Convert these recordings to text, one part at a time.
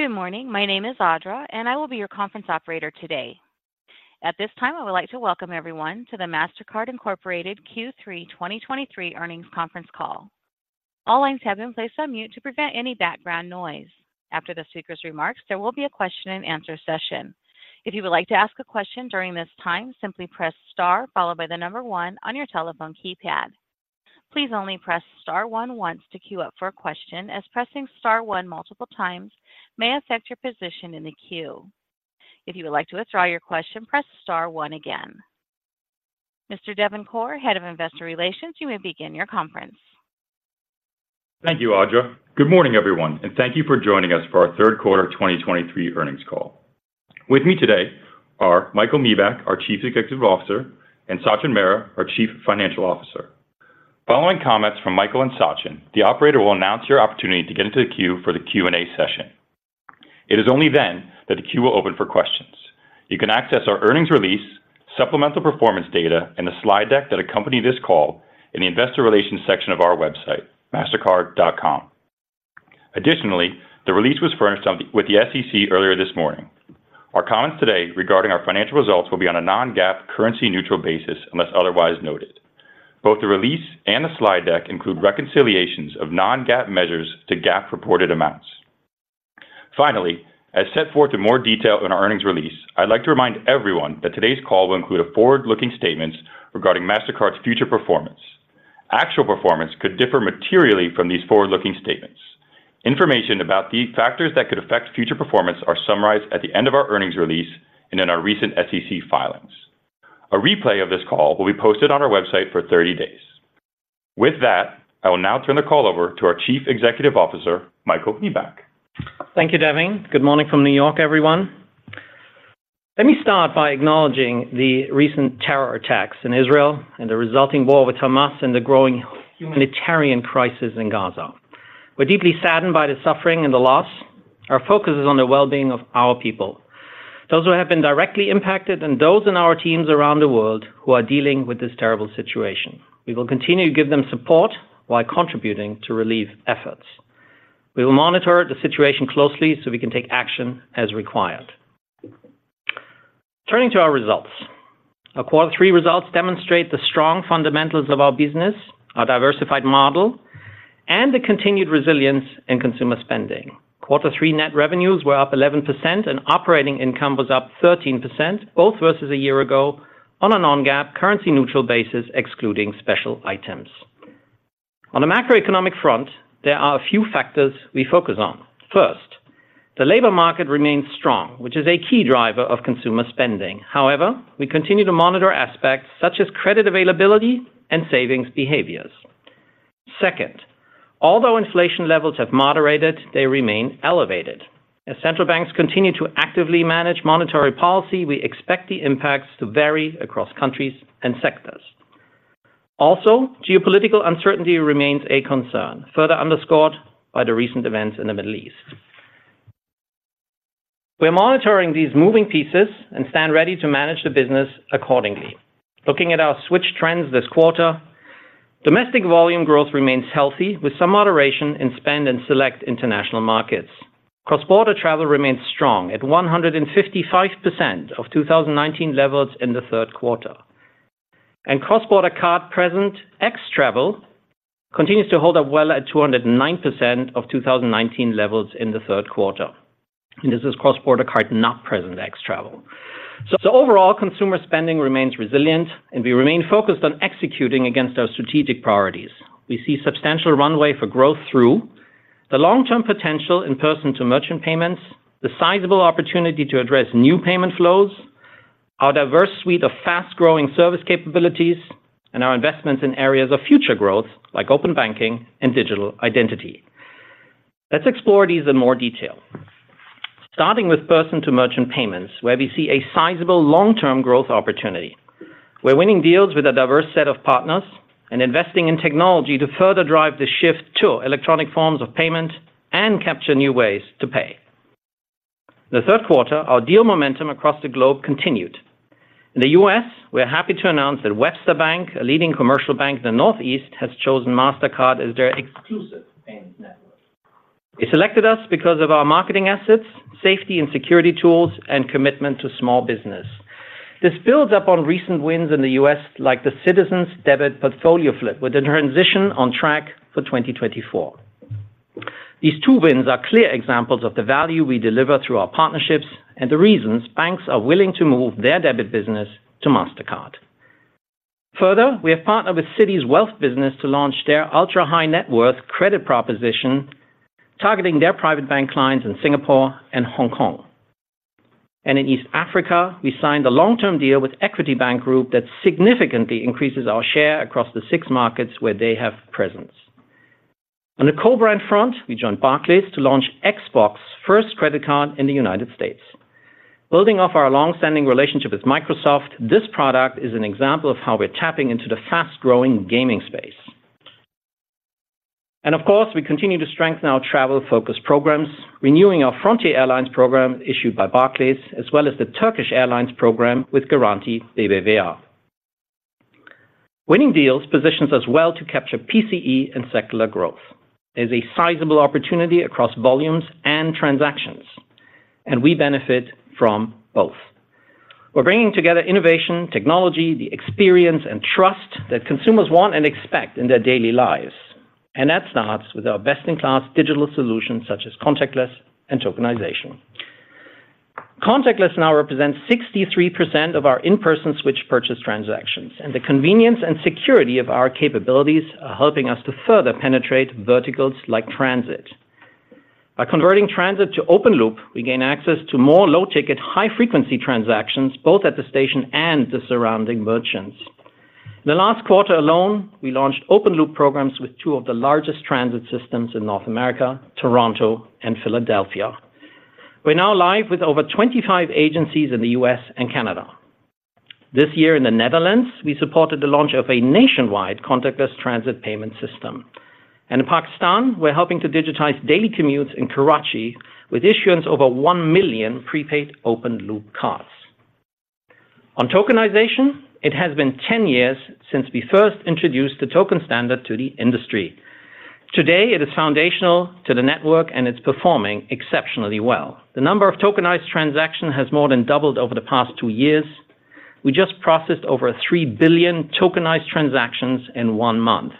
Good morning. My name is Audra, and I will be your conference operator today. At this time, I would like to welcome everyone to the Mastercard Incorporated Q3 2023 Earnings Conference Call. All lines have been placed on mute to prevent any background noise. After the speaker's remarks, there will be a question-and-answer session. If you would like to ask a question during this time, simply press star followed by the number one on your telephone keypad. Please only press star one once to queue up for a question, as pressing star one multiple times may affect your position in the queue. If you would like to withdraw your question, press star one again. Mr. Devin Corr, Head of Investor Relations, you may begin your conference. Thank you, Audra. Good morning, everyone, and thank you for joining us for our Q3 2023 earnings call. With me today are Michael Miebach, our Chief Executive Officer, and Sachin Mehra, our Chief Financial Officer. Following comments from Michael and Sachin, the operator will announce your opportunity to get into the queue for the Q&A session. It is only then that the queue will open for questions. You can access our earnings release, supplemental performance data, and the slide deck that accompany this call in the investor relations section of our website, Mastercard.com. Additionally, the release was furnished with the SEC earlier this morning. Our comments today regarding our financial results will be on a non-GAAP, currency-neutral basis, unless otherwise noted. Both the release and the slide deck include reconciliations of non-GAAP measures to GAAP reported amounts. Finally, as set forth in more detail in our earnings release, I'd like to remind everyone that today's call will include forward-looking statements regarding Mastercard's future performance. Actual performance could differ materially from these forward-looking statements. Information about the factors that could affect future performance are summarized at the end of our earnings release and in our recent SEC filings. A replay of this call will be posted on our website for 30 days. With that, I will now turn the call over to our Chief Executive Officer, Michael Miebach. Thank you, Devin. Good morning from New York, everyone. Let me start by acknowledging the recent terror attacks in Israel and the resulting war with Hamas and the growing humanitarian crisis in Gaza. We're deeply saddened by the suffering and the loss. Our focus is on the well-being of our people, those who have been directly impacted and those in our teams around the world who are dealing with this terrible situation. We will continue to give them support while contributing to relief efforts. We will monitor the situation closely so we can take action as required. Turning to our results. Our Quarter Three results demonstrate the strong fundamentals of our business, our diversified model, and the continued resilience in consumer spending. Quarter Three net revenues were up 11% and operating income was up 13%, both versus a year ago on a non-GAAP currency neutral basis, excluding special items. On a macroeconomic front, there are a few factors we focus on. First, the labor market remains strong, which is a key driver of consumer spending. However, we continue to monitor aspects such as credit availability and savings behaviors. Second, although inflation levels have moderated, they remain elevated. As central banks continue to actively manage monetary policy, we expect the impacts to vary across countries and sectors. Also, geopolitical uncertainty remains a concern, further underscored by the recent events in the Middle East. We are monitoring these moving pieces and stand ready to manage the business accordingly. Looking at our switch trends this quarter, domestic volume growth remains healthy, with some moderation in spend in select international markets. Cross-border travel remains strong at 155% of 2019 levels in the Q3, and cross-border card present ex-travel continues to hold up well at 209% of 2019 levels in the Q3. This is cross-border card, not present ex-travel. Overall, consumer spending remains resilient and we remain focused on executing against our strategic priorities. We see substantial runway for growth through the long-term potential in person-to-merchant payments, the sizable opportunity to address new payment flows, our diverse suite of fast-growing service capabilities, and our investments in areas of future growth like open banking and digital identity. Let's explore these in more detail. Starting with person-to-merchant payments, where we see a sizable long-term growth opportunity. We're winning deals with a diverse set of partners and investing in technology to further drive the shift to electronic forms of payment and capture new ways to pay. In the Q3, our deal momentum across the globe continued. In the U.S., we are happy to announce that Webster Bank, a leading commercial bank in the Northeast, has chosen Mastercard as their exclusive payments network. They selected us because of our marketing assets, safety and security tools, and commitment to small business. This builds upon recent wins in the U.S., like the Citizens debit portfolio flip, with the transition on track for 2024. These two wins are clear examples of the value we deliver through our partnerships and the reasons banks are willing to move their debit business to Mastercard. Further, we have partnered with Citi's Wealth business to launch their ultra-high net worth credit proposition, targeting their private bank clients in Singapore and Hong Kong. In East Africa, we signed a long-term deal with Equity Bank Group that significantly increases our share across the six markets where they have presence. On the co-brand front, we joined Barclays to launch Xbox first credit card in the United States. Building off our long-standing relationship with Microsoft, this product is an example of how we're tapping into the fast-growing gaming space. Of course, we continue to strengthen our travel-focused programs, renewing our Frontier Airlines program issued by Barclays, as well as the Turkish Airlines program with Garanti BBVA. Winning deals positions us well to capture PCE and secular growth. There's a sizable opportunity across volumes and transactions, and we benefit from both. We're bringing together innovation, technology, the experience, and trust that consumers want and expect in their daily lives, and that starts with our best-in-class digital solutions such as contactless and tokenization. Contactless now represents 63% of our in-person switch purchase transactions, and the convenience and security of our capabilities are helping us to further penetrate verticals like transit. By converting transit to open loop, we gain access to more low-ticket, high-frequency transactions, both at the station and the surrounding merchants. In the last quarter alone, we launched open loop programs with two of the largest transit systems in North America, Toronto and Philadelphia. We're now live with over 25 agencies in the U.S. and Canada. This year in the Netherlands, we supported the launch of a nationwide contactless transit payment system. In Pakistan, we're helping to digitize daily commutes in Karachi with issuance over 1 million prepaid open-loop cards. On tokenization, it has been 10 years since we first introduced the token standard to the industry. Today, it is foundational to the network, and it's performing exceptionally well. The number of tokenized transactions has more than doubled over the past 2 years. We just processed over 3 billion tokenized transactions in 1 month,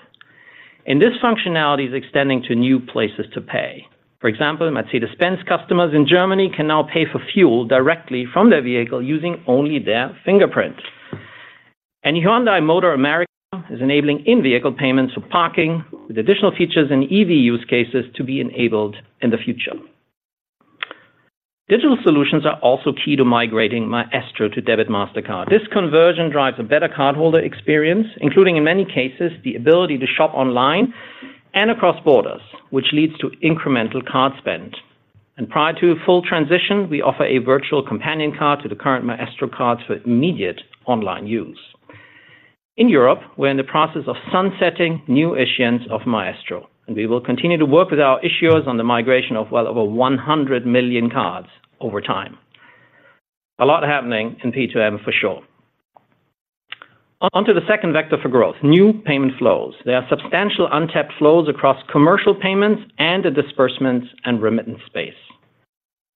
and this functionality is extending to new places to pay. For example, Mercedes-Benz customers in Germany can now pay for fuel directly from their vehicle using only their fingerprint. And Hyundai Motor America is enabling in-vehicle payments for parking, with additional features and EV use cases to be enabled in the future. Digital solutions are also key to migrating Maestro to Debit Mastercard. This conversion drives a better cardholder experience, including, in many cases, the ability to shop online and across borders, which leads to incremental card spend. Prior to full transition, we offer a virtual companion card to the current Maestro cards for immediate online use. In Europe, we're in the process of sunsetting new issuance of Maestro, and we will continue to work with our issuers on the migration of well over 100 million cards over time. A lot happening in P2M for sure. On to the second vector for growth, new payment flows. There are substantial untapped flows across commercial payments and the disbursements and remittance space.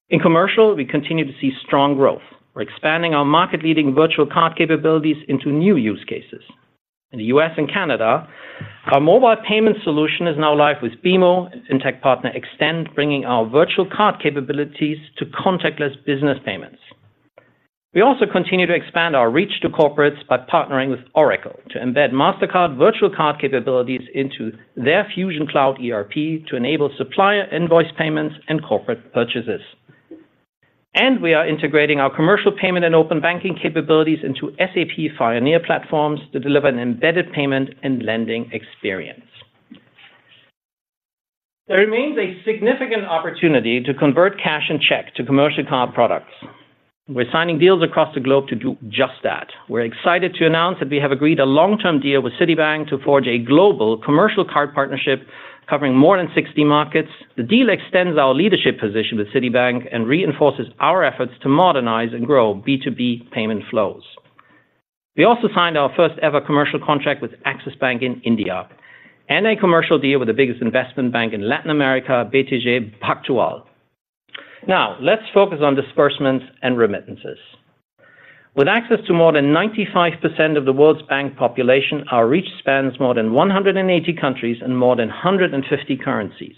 In commercial, we continue to see strong growth. We're expanding our market-leading virtual card capabilities into new use cases. In the U.S. and Canada, our mobile payment solution is now live with BMO and fintech partner, Extend, bringing our virtual card capabilities to contactless business payments. We also continue to expand our reach to corporates by partnering with Oracle to embed Mastercard virtual card capabilities into their Fusion Cloud ERP to enable supplier invoice payments and corporate purchases. We are integrating our commercial payment and open banking capabilities into SAP Pioneer platforms to deliver an embedded payment and lending experience. There remains a significant opportunity to convert cash and check to commercial card products. We're signing deals across the globe to do just that. We're excited to announce that we have agreed a long-term deal with Citibank to forge a global commercial card partnership covering more than 60 markets. The deal extends our leadership position with Citibank and reinforces our efforts to modernize and grow B2B payment flows. We also signed our first-ever commercial contract with Axis Bank in India, and a commercial deal with the biggest investment bank in Latin America, BTG Pactual. Now, let's focus on disbursements and remittances. With access to more than 95% of the world's bank population, our reach spans more than 180 countries and more than 150 currencies,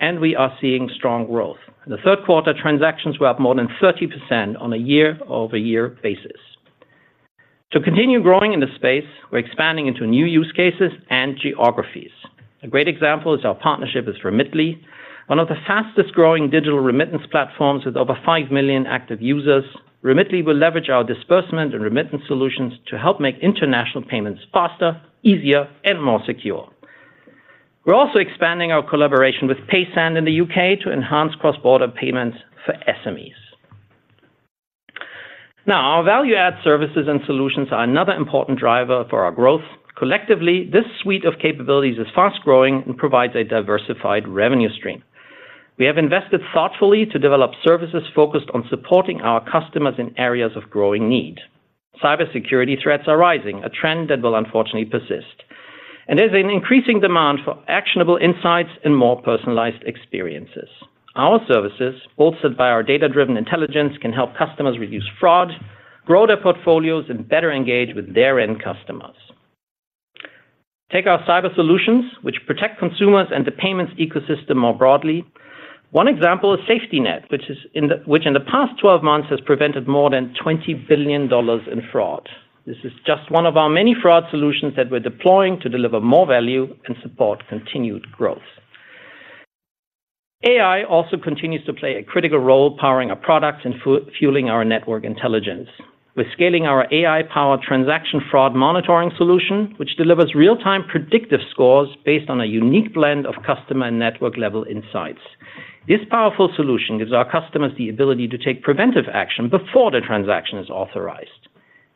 and we are seeing strong growth. In the Q3, transactions were up more than 30% on a year-over-year basis. To continue growing in this space, we're expanding into new use cases and geographies. A great example is our partnership with Remitly, one of the fastest-growing digital remittance platforms with over 5 million active users. Remitly will leverage our disbursement and remittance solutions to help make international payments faster, easier, and more secure. We're also expanding our collaboration with Paysend in the UK to enhance cross-border payments for SMEs. Now, our value-add services and solutions are another important driver for our growth. Collectively, this suite of capabilities is fast-growing and provides a diversified revenue stream. We have invested thoughtfully to develop services focused on supporting our customers in areas of growing need. Cybersecurity threats are rising, a trend that will unfortunately persist, and there's an increasing demand for actionable insights and more personalized experiences. Our services, bolstered by our data-driven intelligence, can help customers reduce fraud, grow their portfolios, and better engage with their end customers. Take our cyber solutions, which protect consumers and the payments ecosystem more broadly. One example is SafetyNet, which in the past twelve months has prevented more than $20 billion in fraud. This is just one of our many fraud solutions that we're deploying to deliver more value and support continued growth. AI also continues to play a critical role powering our products and fueling our network intelligence. We're scaling our AI-powered transaction fraud monitoring solution, which delivers real-time predictive scores based on a unique blend of customer and network-level insights. This powerful solution gives our customers the ability to take preventive action before the transaction is authorized.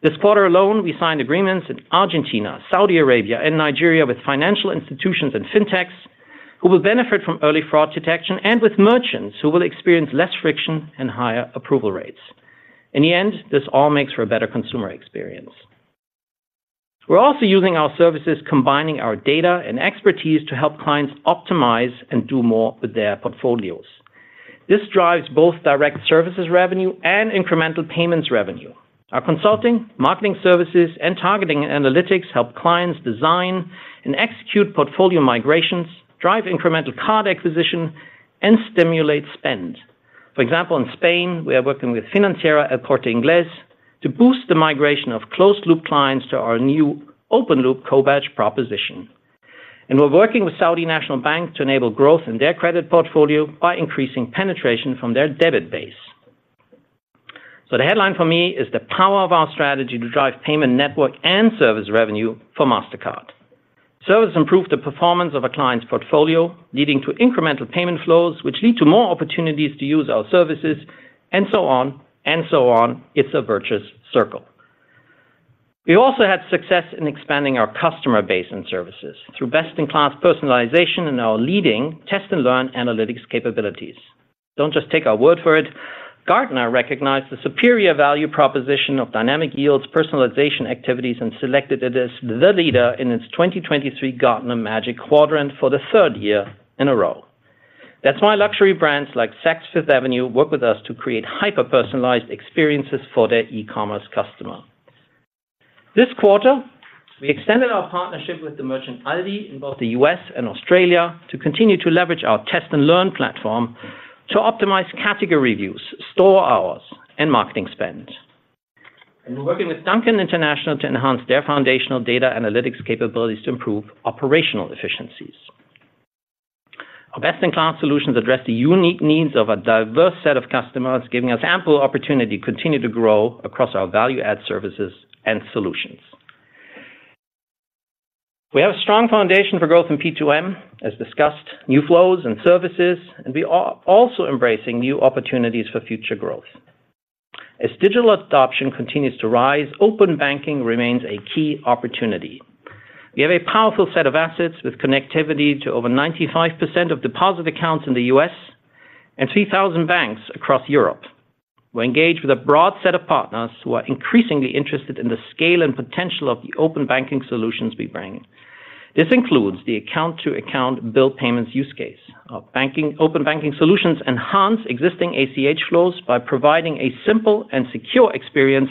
This quarter alone, we signed agreements in Argentina, Saudi Arabia, and Nigeria with financial institutions and fintechs, who will benefit from early fraud detection, and with merchants, who will experience less friction and higher approval rates. In the end, this all makes for a better consumer experience. We're also using our services, combining our data and expertise to help clients optimize and do more with their portfolios. This drives both direct services revenue and incremental payments revenue. Our consulting, marketing services, and targeting analytics help clients design and execute portfolio migrations, drive incremental card acquisition, and stimulate spend. For example, in Spain, we are working with Financiera El Corte Inglés to boost the migration of closed-loop clients to our new open-loop co-badge proposition. And we're working with Saudi National Bank to enable growth in their credit portfolio by increasing penetration from their debit base. So the headline for me is the power of our strategy to drive payment network and service revenue for Mastercard. Services improve the performance of a client's portfolio, leading to incremental payment flows, which lead to more opportunities to use our services, and so on and so on. It's a virtuous circle. We also had success in expanding our customer base and services through best-in-class personalization and our leading test-and-learn analytics capabilities. Don't just take our word for it. Gartner recognized the superior value proposition of Dynamic Yield's personalization activities and selected it as the leader in its 2023 Gartner Magic Quadrant for the third year in a row. That's why luxury brands like Saks Fifth Avenue work with us to create hyper-personalized experiences for their e-commerce customer. This quarter, we extended our partnership with the merchant, ALDI, in both the U.S. and Australia, to continue to leverage our test-and-learn platform to optimize category reviews, store hours, and marketing spend. And we're working with Dunkin' International to enhance their foundational data analytics capabilities to improve operational efficiencies. Our best-in-class solutions address the unique needs of a diverse set of customers, giving us ample opportunity to continue to grow across our value-added services and solutions. We have a strong foundation for growth in P2M, as discussed, new flows and services, and we are also embracing new opportunities for future growth. As digital adoption continues to rise, open banking remains a key opportunity. We have a powerful set of assets with connectivity to over 95% of deposit accounts in the U.S. and 3,000 banks across Europe. We're engaged with a broad set of partners who are increasingly interested in the scale and potential of the open banking solutions we bring. This includes the account-to-account bill payments use case. Our banking, open banking solutions enhance existing ACH flows by providing a simple and secure experience,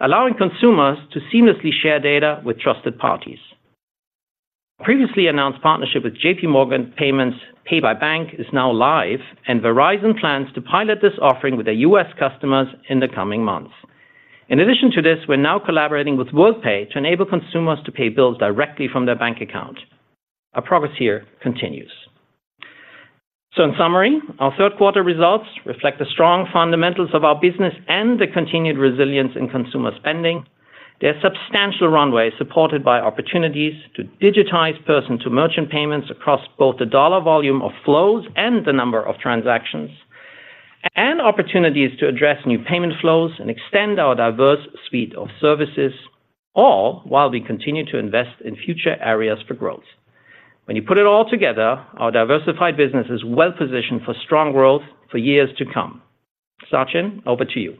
allowing consumers to seamlessly share data with trusted parties. Previously announced partnership with JP Morgan Payments, Pay by Bank, is now live, and Verizon plans to pilot this offering with their U.S. customers in the coming months. In addition to this, we're now collaborating with Worldpay to enable consumers to pay bills directly from their bank account. Our progress here continues. So in summary, our Q3 results reflect the strong fundamentals of our business and the continued resilience in consumer spending. There are substantial runways, supported by opportunities to digitize person-to-merchant payments across both the dollar volume of flows and the number of transactions, and opportunities to address new payment flows and extend our diverse suite of services, all while we continue to invest in future areas for growth. When you put it all together, our diversified business is well-positioned for strong growth for years to come. Sachin, over to you.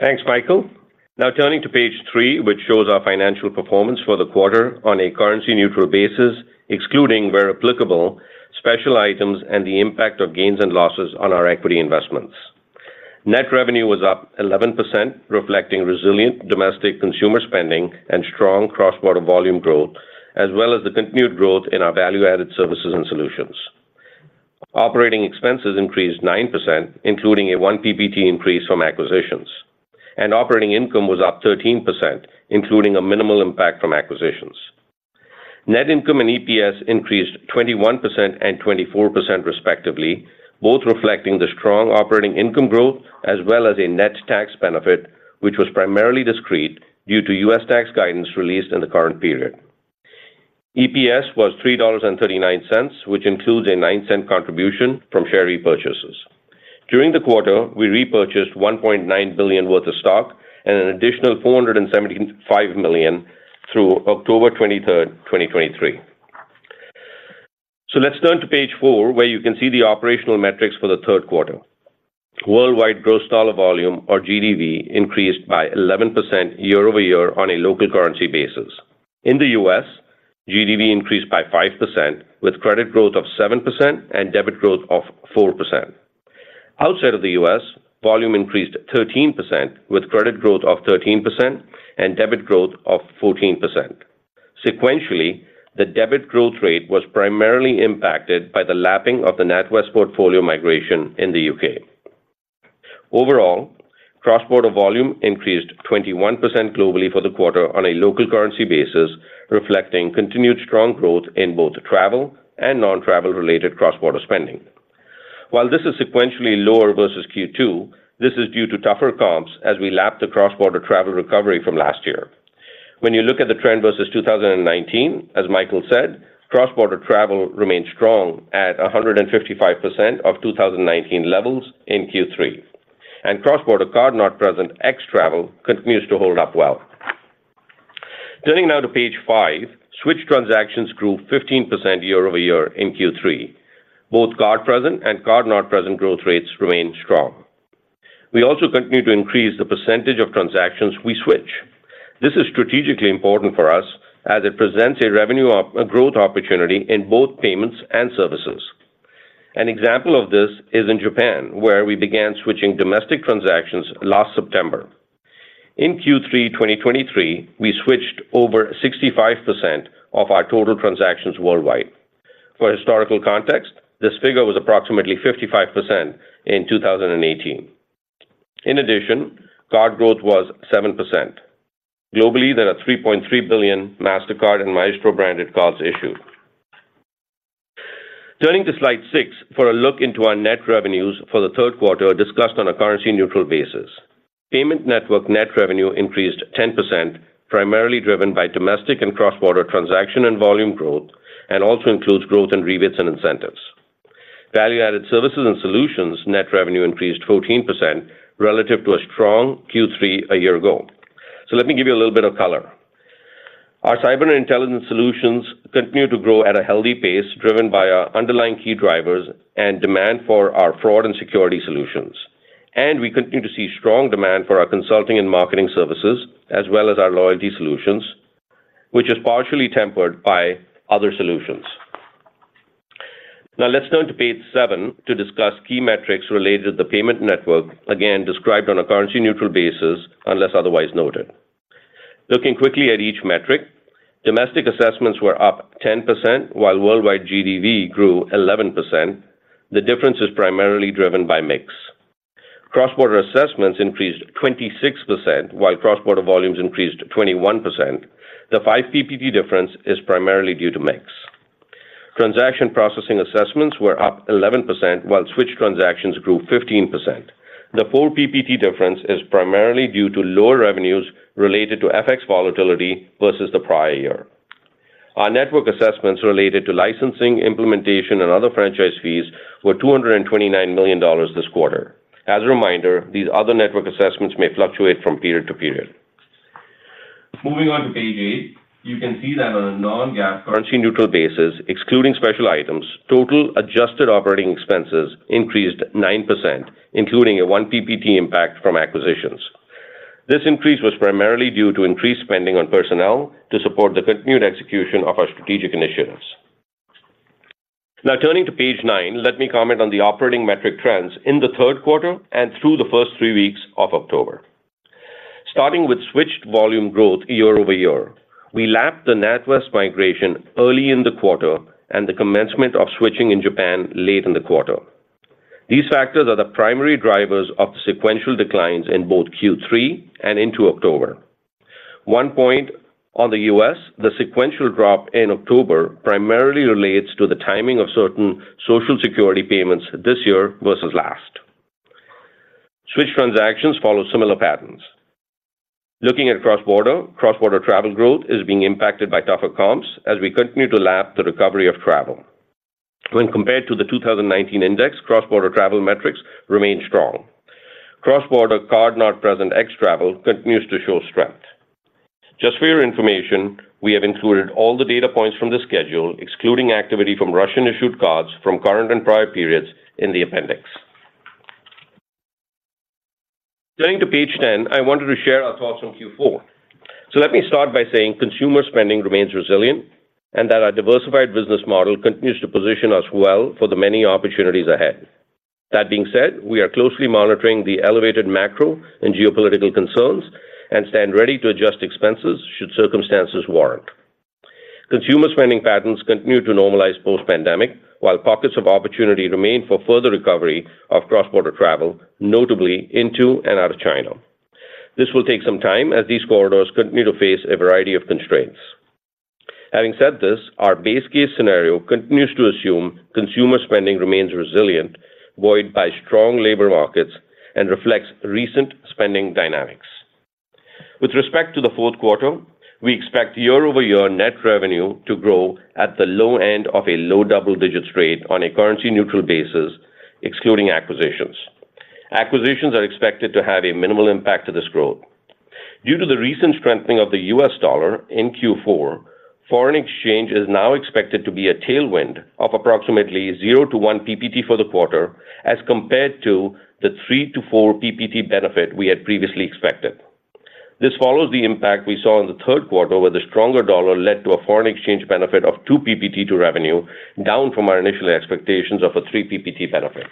Thanks, Michael. Now turning to page three, which shows our financial performance for the quarter on a currency-neutral basis, excluding, where applicable, special items and the impact of gains and losses on our equity investments. Net revenue was up 11%, reflecting resilient domestic consumer spending and strong cross-border volume growth, as well as the continued growth in our value-added services and solutions. Operating expenses increased 9%, including a 1 ppt increase from acquisitions, and operating income was up 13%, including a minimal impact from acquisitions. Net income and EPS increased 21% and 24%, respectively, both reflecting the strong operating income growth as well as a net tax benefit, which was primarily discrete due to U.S. tax guidance released in the current period. EPS was $3.39, which includes a $0.09 contribution from share repurchases. During the quarter, we repurchased $1.9 billion worth of stock and an additional $475 million through October 23rd, 2023. Let's turn to page 4, where you can see the operational metrics for the Q3. Worldwide gross dollar volume, or GDV, increased by 11% year-over-year on a local currency basis. In the U.S., GDV increased by 5%, with credit growth of 7% and debit growth of 4%. Outside of the U.S., volume increased 13%, with credit growth of 13% and debit growth of 14%. Sequentially, the debit growth rate was primarily impacted by the lapping of the NatWest portfolio migration in the U.K. Overall, cross-border volume increased 21% globally for the quarter on a local currency basis, reflecting continued strong growth in both travel and non-travel related cross-border spending. While this is sequentially lower versus Q2, this is due to tougher comps as we lap the cross-border travel recovery from last year. When you look at the trend versus 2019, as Michael said, cross-border travel remains strong at 155% of 2019 levels in Q3. Cross-border card-not-present ex travel continues to hold up well.... Turning now to page 5, switch transactions grew 15% year-over-year in Q3. Both card present and card not present growth rates remained strong. We also continue to increase the percentage of transactions we switch. This is strategically important for us, as it presents a revenue opportunity—a growth opportunity in both payments and services. An example of this is in Japan, where we began switching domestic transactions last September. In Q3 2023, we switched over 65% of our total transactions worldwide. For historical context, this figure was approximately 55% in 2018. In addition, card growth was 7%. Globally, there are 3.3 billion Mastercard and Maestro branded cards issued. Turning to slide 6 for a look into our net revenues for the Q3, discussed on a currency neutral basis. Payment network net revenue increased 10%, primarily driven by domestic and cross-border transaction and volume growth, and also includes growth in rebates and incentives. Value-added services and solutions net revenue increased 14% relative to a strong Q3 a year ago. So let me give you a little bit of color. Our cyber intelligence solutions continue to grow at a healthy pace, driven by our underlying key drivers and demand for our fraud and security solutions. We continue to see strong demand for our consulting and marketing services, as well as our loyalty solutions, which is partially tempered by other solutions. Now, let's turn to page 7 to discuss key metrics related to the payment network, again, described on a currency neutral basis, unless otherwise noted. Looking quickly at each metric, domestic assessments were up 10%, while worldwide GDV grew 11%. The difference is primarily driven by mix. Cross-border assessments increased 26%, while cross-border volumes increased 21%. The 5 PPT difference is primarily due to mix. Transaction processing assessments were up 11%, while switch transactions grew 15%. The 4 PPT difference is primarily due to lower revenues related to FX volatility versus the prior year. Our network assessments related to licensing, implementation, and other franchise fees were $229 million this quarter. As a reminder, these other network assessments may fluctuate from period to period. Moving on to page 8, you can see that on a non-GAAP currency neutral basis, excluding special items, total adjusted operating expenses increased 9%, including a 1 PPT impact from acquisitions. This increase was primarily due to increased spending on personnel to support the continued execution of our strategic initiatives. Now, turning to page 9, let me comment on the operating metric trends in the Q3 and through the first 3 weeks of October. Starting with switched volume growth year-over-year, we lapped the NatWest migration early in the quarter and the commencement of switching in Japan late in the quarter. These factors are the primary drivers of the sequential declines in both Q3 and into October. One point on the U.S., the sequential drop in October primarily relates to the timing of certain social security payments this year versus last. Switch transactions follow similar patterns. Looking at cross-border, cross-border travel growth is being impacted by tougher comps as we continue to lap the recovery of travel. When compared to the 2019 index, cross-border travel metrics remain strong. Cross-border card not present ex travel continues to show strength. Just for your information, we have included all the data points from the schedule, excluding activity from Russian-issued cards from current and prior periods in the appendix. Turning to page 10, I wanted to share our thoughts on Q4. So let me start by saying consumer spending remains resilient, and that our diversified business model continues to position us well for the many opportunities ahead. That being said, we are closely monitoring the elevated macro and geopolitical concerns and stand ready to adjust expenses should circumstances warrant. Consumer spending patterns continue to normalize post-pandemic, while pockets of opportunity remain for further recovery of cross-border travel, notably into and out of China. This will take some time as these corridors continue to face a variety of constraints. Having said this, our base case scenario continues to assume consumer spending remains resilient, buoyed by strong labor markets and reflects recent spending dynamics. With respect to the Q4, we expect year-over-year net revenue to grow at the low end of a low double-digit rate on a currency neutral basis, excluding acquisitions. Acquisitions are expected to have a minimal impact to this growth. Due to the recent strengthening of the U.S. dollar in Q4, foreign exchange is now expected to be a tailwind of approximately 0-1 PPT for the quarter, as compared to the 3-4 PPT benefit we had previously expected. This follows the impact we saw in the Q3, where the stronger dollar led to a foreign exchange benefit of 2 PPT to revenue, down from our initial expectations of a 3 PPT benefit.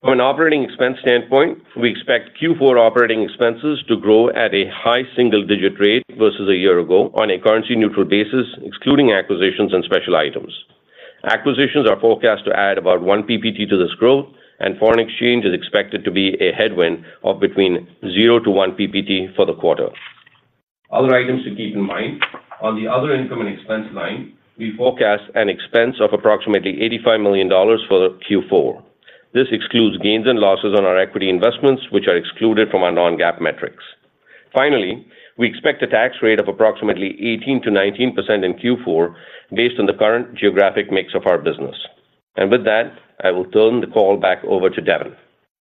From an operating expense standpoint, we expect Q4 operating expenses to grow at a high single-digit rate versus a year ago on a currency neutral basis, excluding acquisitions and special items. Acquisitions are forecast to add about 1 PPT to this growth, and foreign exchange is expected to be a headwind of between 0-1 PPT for the quarter. Other items to keep in mind, on the other income and expense line, we forecast an expense of approximately $85 million for Q4. This excludes gains and losses on our equity investments, which are excluded from our non-GAAP metrics. Finally, we expect a tax rate of approximately 18%-19% in Q4 based on the current geographic mix of our business. And with that, I will turn the call back over to Devin.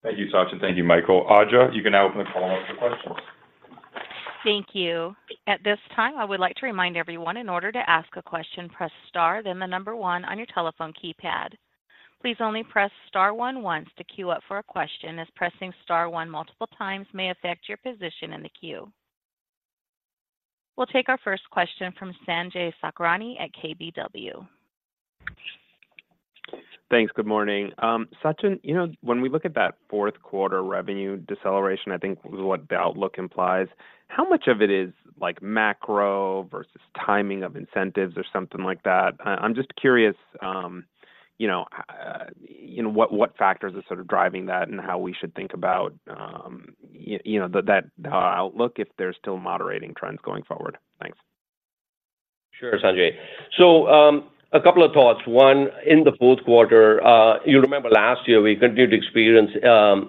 Thank you, Sachin. Thank you, Michael. Audra, you can now open the call up for questions. Thank you. At this time, I would like to remind everyone, in order to ask a question, press star, then the number one on your telephone keypad. Please only press star one once to queue up for a question, as pressing star one multiple times may affect your position in the queue. We'll take our first question from Sanjay Sakhrani at KBW. Thanks. Good morning. Sachin, you know, when we look at that Q4 revenue deceleration, I think what the outlook implies, how much of it is like macro versus timing of incentives or something like that? I'm just curious, you know, what factors are sort of driving that and how we should think about, you know, that outlook if there's still moderating trends going forward? Thanks. Sure, Sanjay. So, a couple of thoughts. One, in the Q4, you remember last year, we continued to experience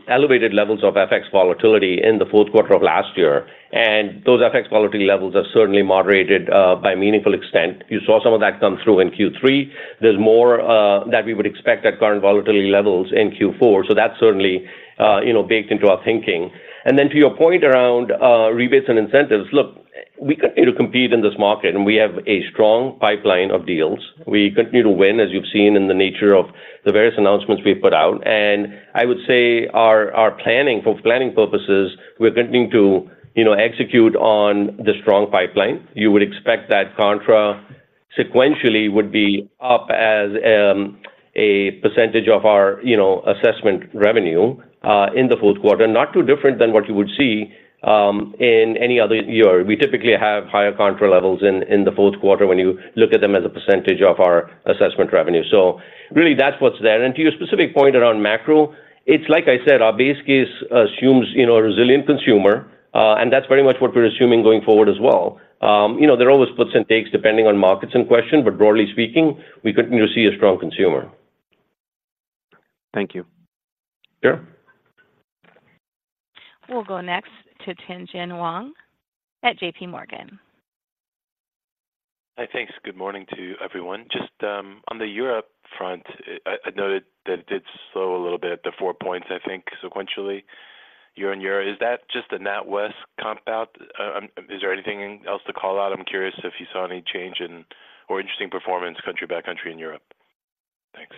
elevated levels of FX volatility in the Q4 of last year, and those FX volatility levels have certainly moderated by a meaningful extent. You saw some of that come through in Q3. There's more that we would expect at current volatility levels in Q4. So that's certainly you know, baked into our thinking. And then to your point around rebates and incentives, look, we continue to compete in this market, and we have a strong pipeline of deals. We continue to win, as you've seen in the nature of the various announcements we've put out. And I would say our, our planning, for planning purposes, we're continuing to you know, execute on the strong pipeline. You would expect that contra sequentially would be up as a percentage of our, you know, assessment revenue in the Q4. Not too different than what you would see in any other year. We typically have higher contra levels in the Q4 when you look at them as a percentage of our assessment revenue. So really, that's what's there. And to your specific point around macro, it's like I said, our base case assumes, you know, a resilient consumer, and that's very much what we're assuming going forward as well. You know, there are always puts and takes depending on markets in question, but broadly speaking, we continue to see a strong consumer. Thank you. Sure. We'll go next to Qianqian Wang at JPMorgan. Hi, thanks. Good morning to everyone. Just on the Europe front, I noted that it did slow a little bit, the 4 points, I think, sequentially, year on year. Is that just the NatWest comp out? Is there anything else to call out? I'm curious if you saw any change in or interesting performance country by country in Europe. Thanks.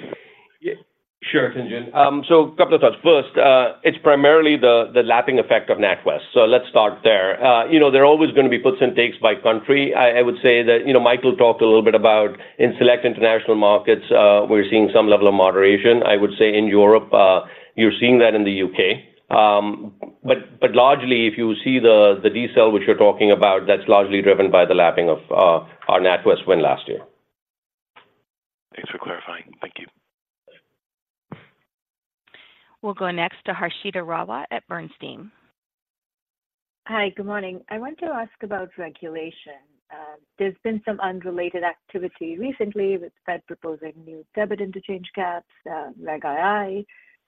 Yeah, sure, Qianqian. So a couple of thoughts. First, it's primarily the lapping effect of NatWest, so let's start there. You know, there are always going to be puts and takes by country. I would say that, you know, Michael talked a little bit about in select international markets, we're seeing some level of moderation. I would say in Europe, you're seeing that in the UK. But largely, if you see the decel, which you're talking about, that's largely driven by the lapping of our NatWest win last year. Thanks for clarifying. Thank you. We'll go next to Harshita Rawat at Bernstein. Hi, good morning. I want to ask about regulation. There's been some unrelated activity recently, with Fed proposing new debit interchange caps, Reg II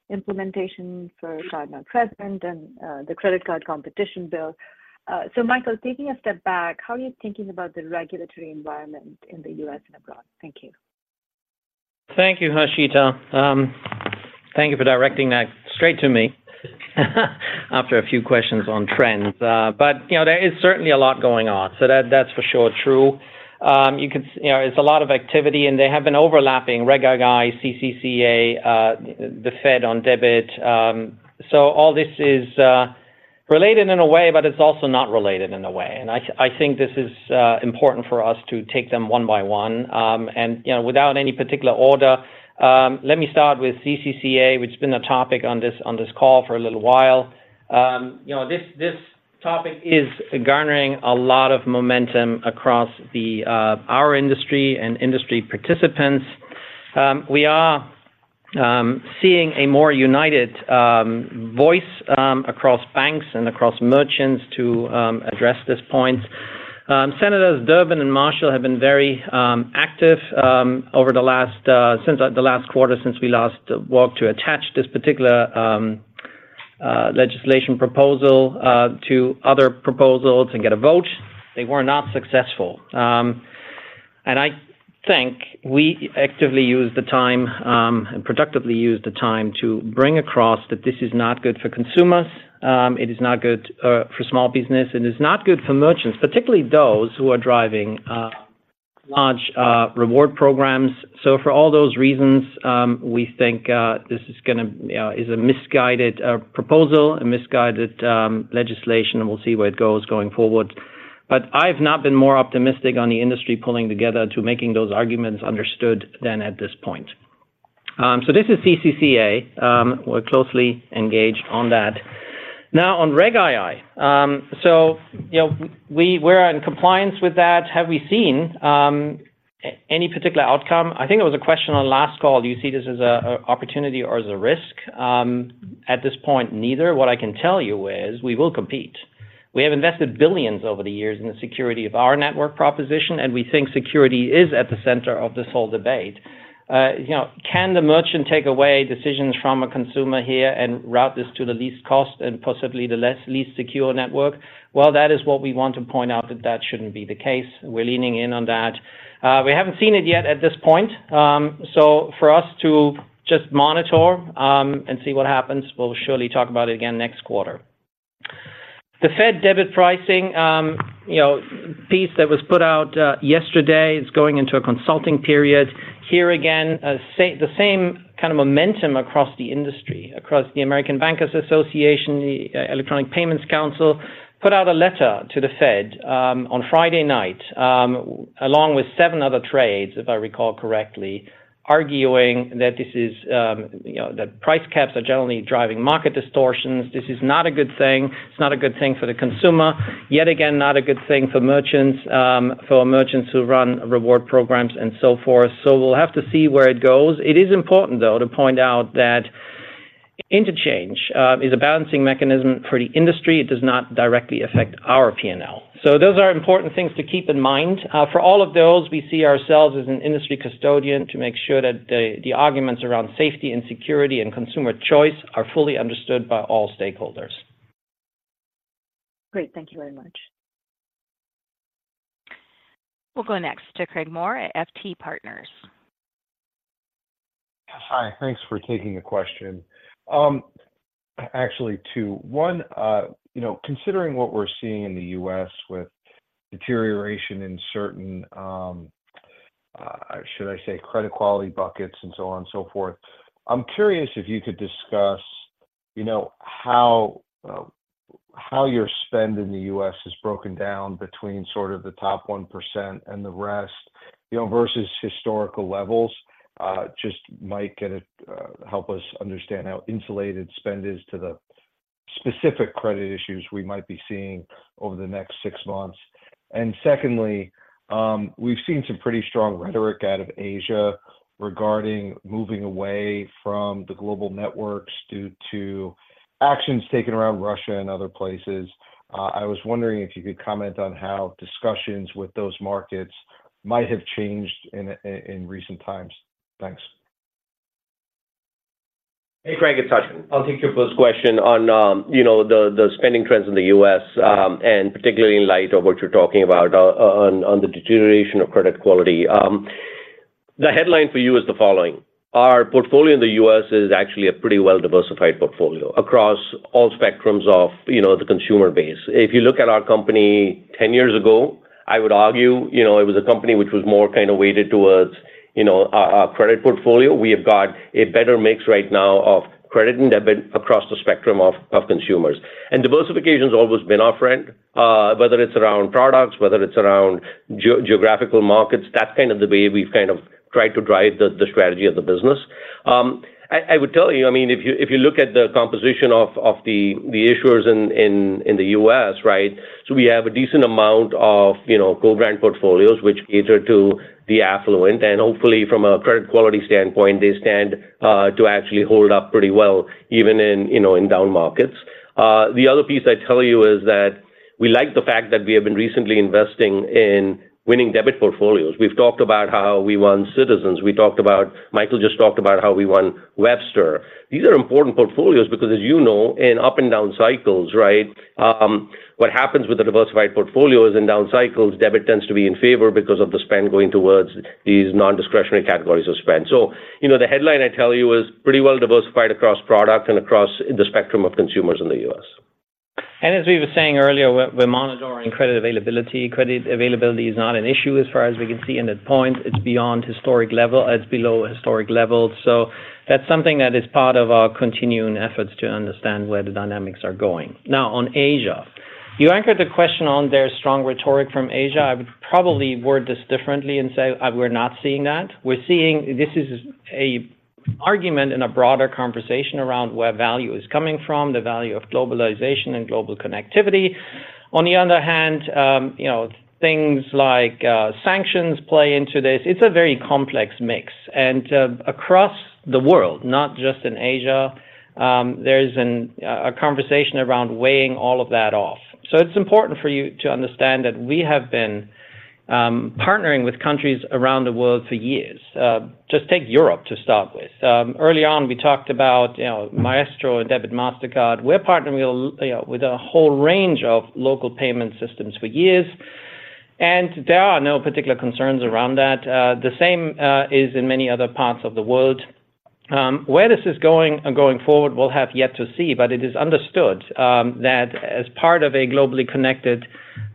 implementation for card-not-present, and the credit card competition bill. So Michael, taking a step back, how are you thinking about the regulatory environment in the U.S. and abroad? Thank you. Thank you, Harshita. Thank you for directing that straight to me, after a few questions on trends. But, you know, there is certainly a lot going on, so that, that's for sure true. You know, it's a lot of activity, and they have been overlapping, Reg II, CCCA, the Fed on debit. So all this is related in a way, but it's also not related in a way. And I think this is important for us to take them one by one. And, you know, without any particular order, let me start with CCCA, which been a topic on this, on this call for a little while. You know, this, this topic is garnering a lot of momentum across the, our industry and industry participants. We are seeing a more united voice across banks and across merchants to address this point. Senators Durbin and Marshall have been very active over the last, since the last quarter, since we last walked to attach this particular legislation proposal to other proposals and get a vote. They were not successful. I think we actively used the time, and productively used the time to bring across that this is not good for consumers, it is not good for small business, and it's not good for merchants, particularly those who are driving large reward programs. For all those reasons, we think this is gonna, is a misguided proposal, a misguided legislation, and we'll see where it goes going forward. But I've not been more optimistic on the industry pulling together to making those arguments understood than at this point. So this is CCCA. We're closely engaged on that. Now on Reg II. So you know, we're in compliance with that. Have we seen any particular outcome? I think it was a question on last call: Do you see this as an opportunity or as a risk? At this point, neither. What I can tell you is we will compete. We have invested billions over the years in the security of our network proposition, and we think security is at the center of this whole debate. You know, can the merchant take away decisions from a consumer here and route this to the least cost and possibly the least secure network? Well, that is what we want to point out, that that shouldn't be the case. We're leaning in on that. We haven't seen it yet at this point. So for us to just monitor and see what happens, we'll surely talk about it again next quarter. The Fed debit pricing, you know, piece that was put out yesterday is going into a consulting period. Here, again, the same kind of momentum across the industry, across the American Bankers Association, the Electronic Payments Council, put out a letter to the Fed on Friday night, along with seven other trades, if I recall correctly, arguing that this is, you know, that price caps are generally driving market distortions. This is not a good thing. It's not a good thing for the consumer. Yet again, not a good thing for merchants, for merchants who run reward programs and so forth. So we'll have to see where it goes. It is important, though, to point out that interchange is a balancing mechanism for the industry. It does not directly affect our P&L. So those are important things to keep in mind. For all of those, we see ourselves as an industry custodian to make sure that the arguments around safety and security and consumer choice are fully understood by all stakeholders. Great. Thank you very much. We'll go next to Craig Maurer at FT Partners. Hi. Thanks for taking the question. Actually, two. One, you know, considering what we're seeing in the U.S. with deterioration in certain, should I say, credit quality buckets and so on and so forth, I'm curious if you could discuss, you know, how, how your spend in the U.S. is broken down between sort of the top 1% and the rest, you know, versus historical levels. Just might get it, help us understand how insulated spend is to the specific credit issues we might be seeing over the next six months. And secondly, we've seen some pretty strong rhetoric out of Asia regarding moving away from the global networks due to actions taken around Russia and other places. I was wondering if you could comment on how discussions with those markets might have changed in, recent times. Thanks. Hey, Craig, it's Sachin. I'll take your first question on, you know, the, the spending trends in the U.S., and particularly in light of what you're talking about, on, on the deterioration of credit quality. The headline for you is the following: Our portfolio in the U.S. is actually a pretty well-diversified portfolio across all spectrums of, you know, the consumer base. If you look at our company ten years ago, I would argue, you know, it was a company which was more kind of weighted towards, you know, our, our credit portfolio. We have got a better mix right now of credit and debit across the spectrum of, of consumers. And diversification's always been our friend, whether it's around products, whether it's around geo- geographical markets, that's kind of the way we've kind of tried to drive the, the strategy of the business. I would tell you, I mean, if you look at the composition of the issuers in the U.S., right? So we have a decent amount of, you know, co-brand portfolios, which cater to the affluent, and hopefully, from a credit quality standpoint, they stand to actually hold up pretty well, even in, you know, in down markets. The other piece I'd tell you is that we like the fact that we have been recently investing in winning debit portfolios. We've talked about how we won Citizens. We talked about - Michael just talked about how we won Webster. These are important portfolios because, as you know, in up and down cycles, right, what happens with the diversified portfolios in down cycles, debit tends to be in favor because of the spend going towards these nondiscretionary categories of spend. You know, the headline I tell you is pretty well diversified across product and across the spectrum of consumers in the U.S. As we were saying earlier, we're monitoring credit availability. Credit availability is not an issue as far as we can see in this point. It's beyond historic level. It's below historic levels, so that's something that is part of our continuing efforts to understand where the dynamics are going. Now, on Asia, you anchored the question on their strong rhetoric from Asia. I would probably word this differently and say we're not seeing that. We're seeing this is an argument in a broader conversation around where value is coming from, the value of globalization and global connectivity. On the other hand, you know, things like sanctions play into this. It's a very complex mix, and across the world, not just in Asia, there's a conversation around weighing all of that off. So it's important for you to understand that we have been partnering with countries around the world for years. Just take Europe to start with. Early on, we talked about, you know, Maestro and Debit Mastercard. We're partnering with a whole range of local payment systems for years, and there are no particular concerns around that. The same is in many other parts of the world. Where this is going and going forward, we'll have yet to see, but it is understood that as part of a globally connected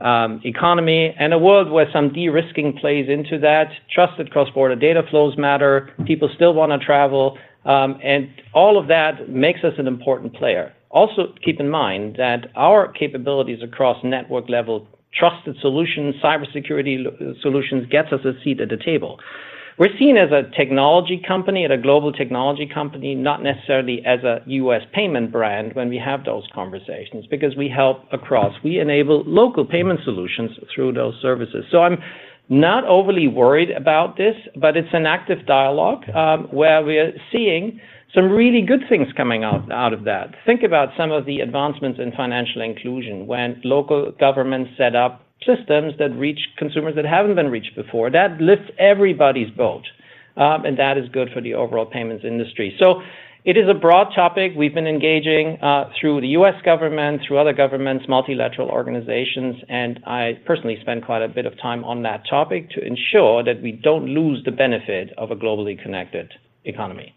economy and a world where some de-risking plays into that, trusted cross-border data flows matter, people still want to travel, and all of that makes us an important player. Also, keep in mind that our capabilities across network-level trusted solutions, cybersecurity solutions, gets us a seat at the table. We're seen as a technology company and a global technology company, not necessarily as a U.S. payment brand when we have those conversations, because we help across. We enable local payment solutions through those services. So I'm not overly worried about this, but it's an active dialogue, where we are seeing some really good things coming out of that. Think about some of the advancements in financial inclusion when local governments set up systems that reach consumers that haven't been reached before. That lifts everybody's boat, and that is good for the overall payments industry. So it is a broad topic. We've been engaging through the U.S. government, through other governments, multilateral organizations, and I personally spend quite a bit of time on that topic to ensure that we don't lose the benefit of a globally connected economy.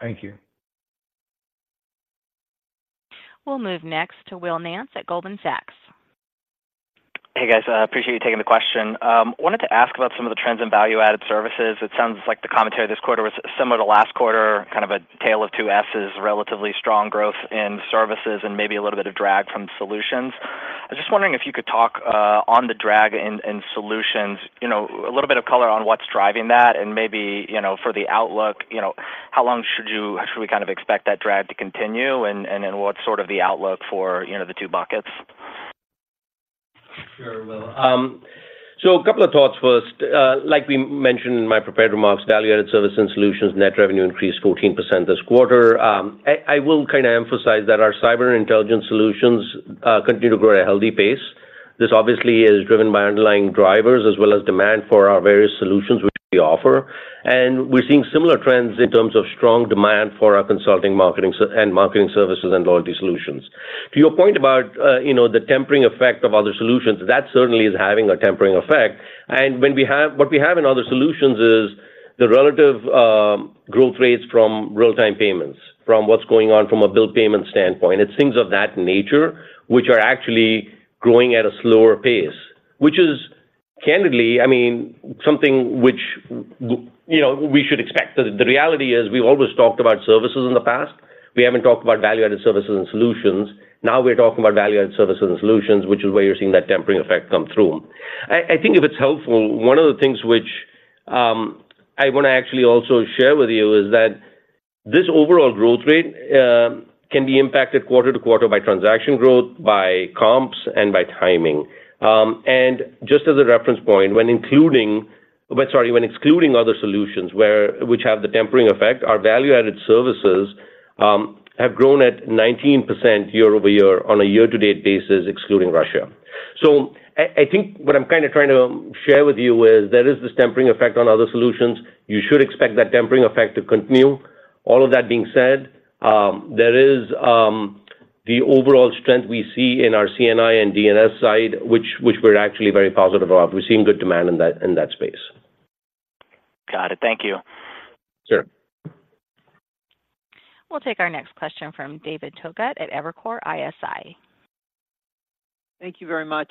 Thank you. We'll move next to Will Nance at Goldman Sachs. Hey, guys. Appreciate you taking the question. Wanted to ask about some of the trends in value-added services. It sounds like the commentary this quarter was similar to last quarter, kind of a tale of two S's, relatively strong growth in services and maybe a little bit of drag from solutions. I'm just wondering if you could talk on the drag in solutions, you know, a little bit of color on what's driving that, and maybe, you know, for the outlook, you know, how long should we kind of expect that drag to continue, and what's sort of the outlook for, you know, the two buckets? Sure, Will. So a couple of thoughts first. Like we mentioned in my prepared remarks, Value-Added Services and Solutions net revenue increased 14% this quarter. I will kinda emphasize that our cyber and intelligence solutions continue to grow at a healthy pace. This obviously is driven by underlying drivers as well as demand for our various solutions which we offer, and we're seeing similar trends in terms of strong demand for our consulting, and marketing services and loyalty solutions. To your point about, you know, the tempering effect of other solutions, that certainly is having a tempering effect. What we have in other solutions is the relative growth rates from real-time payments, from what's going on from a bill payment standpoint. It's things of that nature, which are actually growing at a slower pace, which is, candidly, I mean, something which, you know, we should expect. The reality is we've always talked about services in the past. We haven't talked about value-added services and solutions. Now, we're talking about value-added services and solutions, which is why you're seeing that tempering effect come through. I think if it's helpful, one of the things which I wanna actually also share with you is that this overall growth rate can be impacted quarter to quarter by transaction growth, by comps, and by timing. And just as a reference point, when excluding other solutions which have the tempering effect, our value-added services have grown at 19% year-over-year on a year-to-date basis, excluding Russia. So I think what I'm kinda trying to share with you is there is this tempering effect on other solutions. You should expect that tempering effect to continue. All of that being said, there is the overall strength we see in our C&I and D&S side, which we're actually very positive of. We're seeing good demand in that space. Got it. Thank you. Sure. We'll take our next question from David Togut at Evercore ISI. Thank you very much.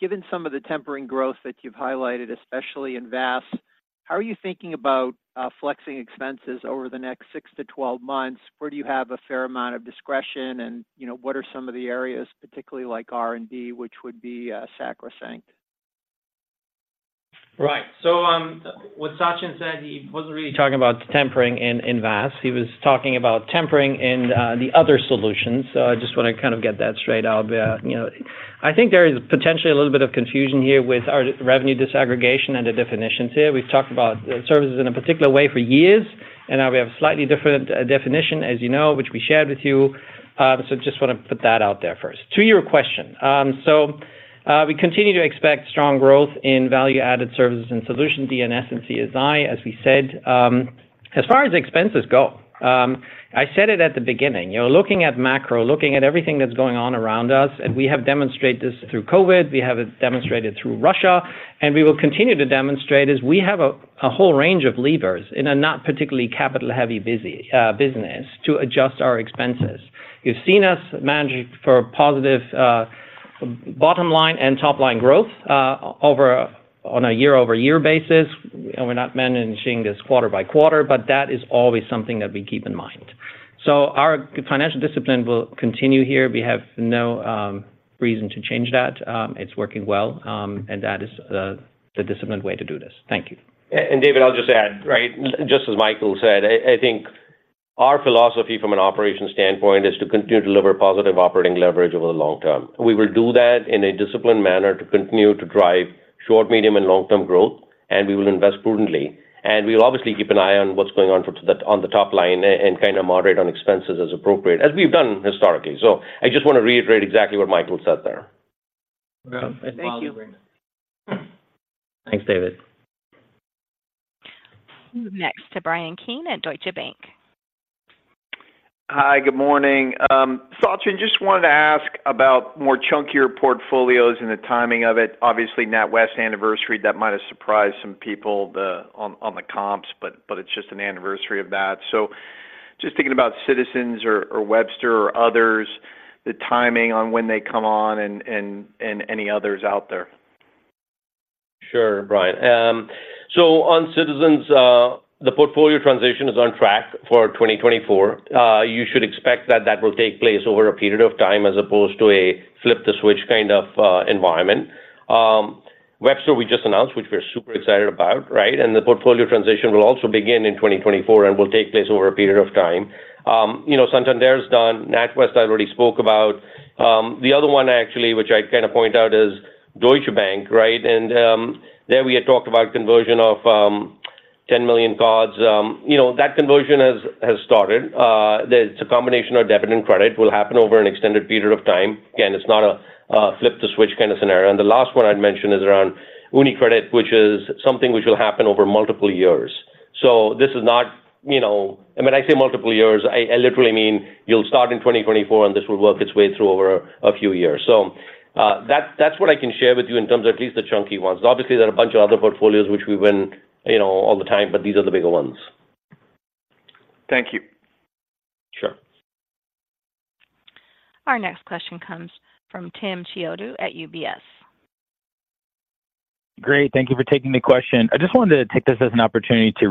Given some of the tempering growth that you've highlighted, especially in VASS, how are you thinking about flexing expenses over the next 6-12 months? Where do you have a fair amount of discretion, and, you know, what are some of the areas, particularly like R&D, which would be sacrosanct? Right. So, what Sachin said, he wasn't really talking about tempering in, in VASS. He was talking about tempering in the other solutions. So I just wanna kind of get that straight out there. You know, I think there is potentially a little bit of confusion here with our revenue disaggregation and the definitions here. We've talked about services in a particular way for years, and now we have a slightly different definition, as you know, which we shared with you. So just wanna put that out there first. To your question, we continue to expect strong growth in value-added services and solutions, D&S and CSI, as we said. As far as expenses go, I said it at the beginning, you know, looking at macro, looking at everything that's going on around us, and we have demonstrated this through COVID, we have it demonstrated through Russia, and we will continue to demonstrate, is we have a whole range of levers in a not particularly capital-heavy business to adjust our expenses. You've seen us manage for positive bottom line and top-line growth over on a year-over-year basis, and we're not managing this quarter by quarter, but that is always something that we keep in mind. So our financial discipline will continue here. We have no reason to change that. It's working well, and that is the disciplined way to do this. Thank you. And, David, I'll just add, right, just as Michael said, I, I think our philosophy from an operations standpoint is to continue to deliver positive operating leverage over the long term. We will do that in a disciplined manner to continue to drive short, medium, and long-term growth, and we will invest prudently. And we will obviously keep an eye on what's going on for that on the top line and kinda moderate on expenses as appropriate, as we've done historically. So I just wanna reiterate exactly what Michael said there. Thank you. Thanks, David. Next to Brian Keane at Deutsche Bank. Hi, good morning. Sachin, just wanted to ask about more chunkier portfolios and the timing of it. Obviously, NatWest anniversary, that might have surprised some people, on the comps, but it's just an anniversary of that. So just thinking about Citizens or Webster or others, the timing on when they come on and any others out there. Sure, Brian. So on Citizens, the portfolio transition is on track for 2024. You should expect that that will take place over a period of time as opposed to a flip-the-switch kind of environment. Webster, we just announced, which we're super excited about, right? And the portfolio transition will also begin in 2024 and will take place over a period of time. You know, Santander is done. NatWest, I already spoke about. The other one, actually, which I'd kinda point out, is Deutsche Bank, right? And there, we had talked about conversion of 10 million cards, you know, that conversion has started. There's a combination of debit and credit will happen over an extended period of time. Again, it's not a flip-the-switch kind of scenario. The last one I'd mention is around UniCredit, which is something which will happen over multiple years. So this is not, you know, and when I say multiple years, I literally mean you'll start in 2024, and this will work its way through over a few years. So, that's what I can share with you in terms of at least the chunky ones. Obviously, there are a bunch of other portfolios which we win, you know, all the time, but these are the bigger ones. Thank you. Sure. Our next question comes from Tim Chiodo at UBS. Great. Thank you for taking the question. I just wanted to take this as an opportunity to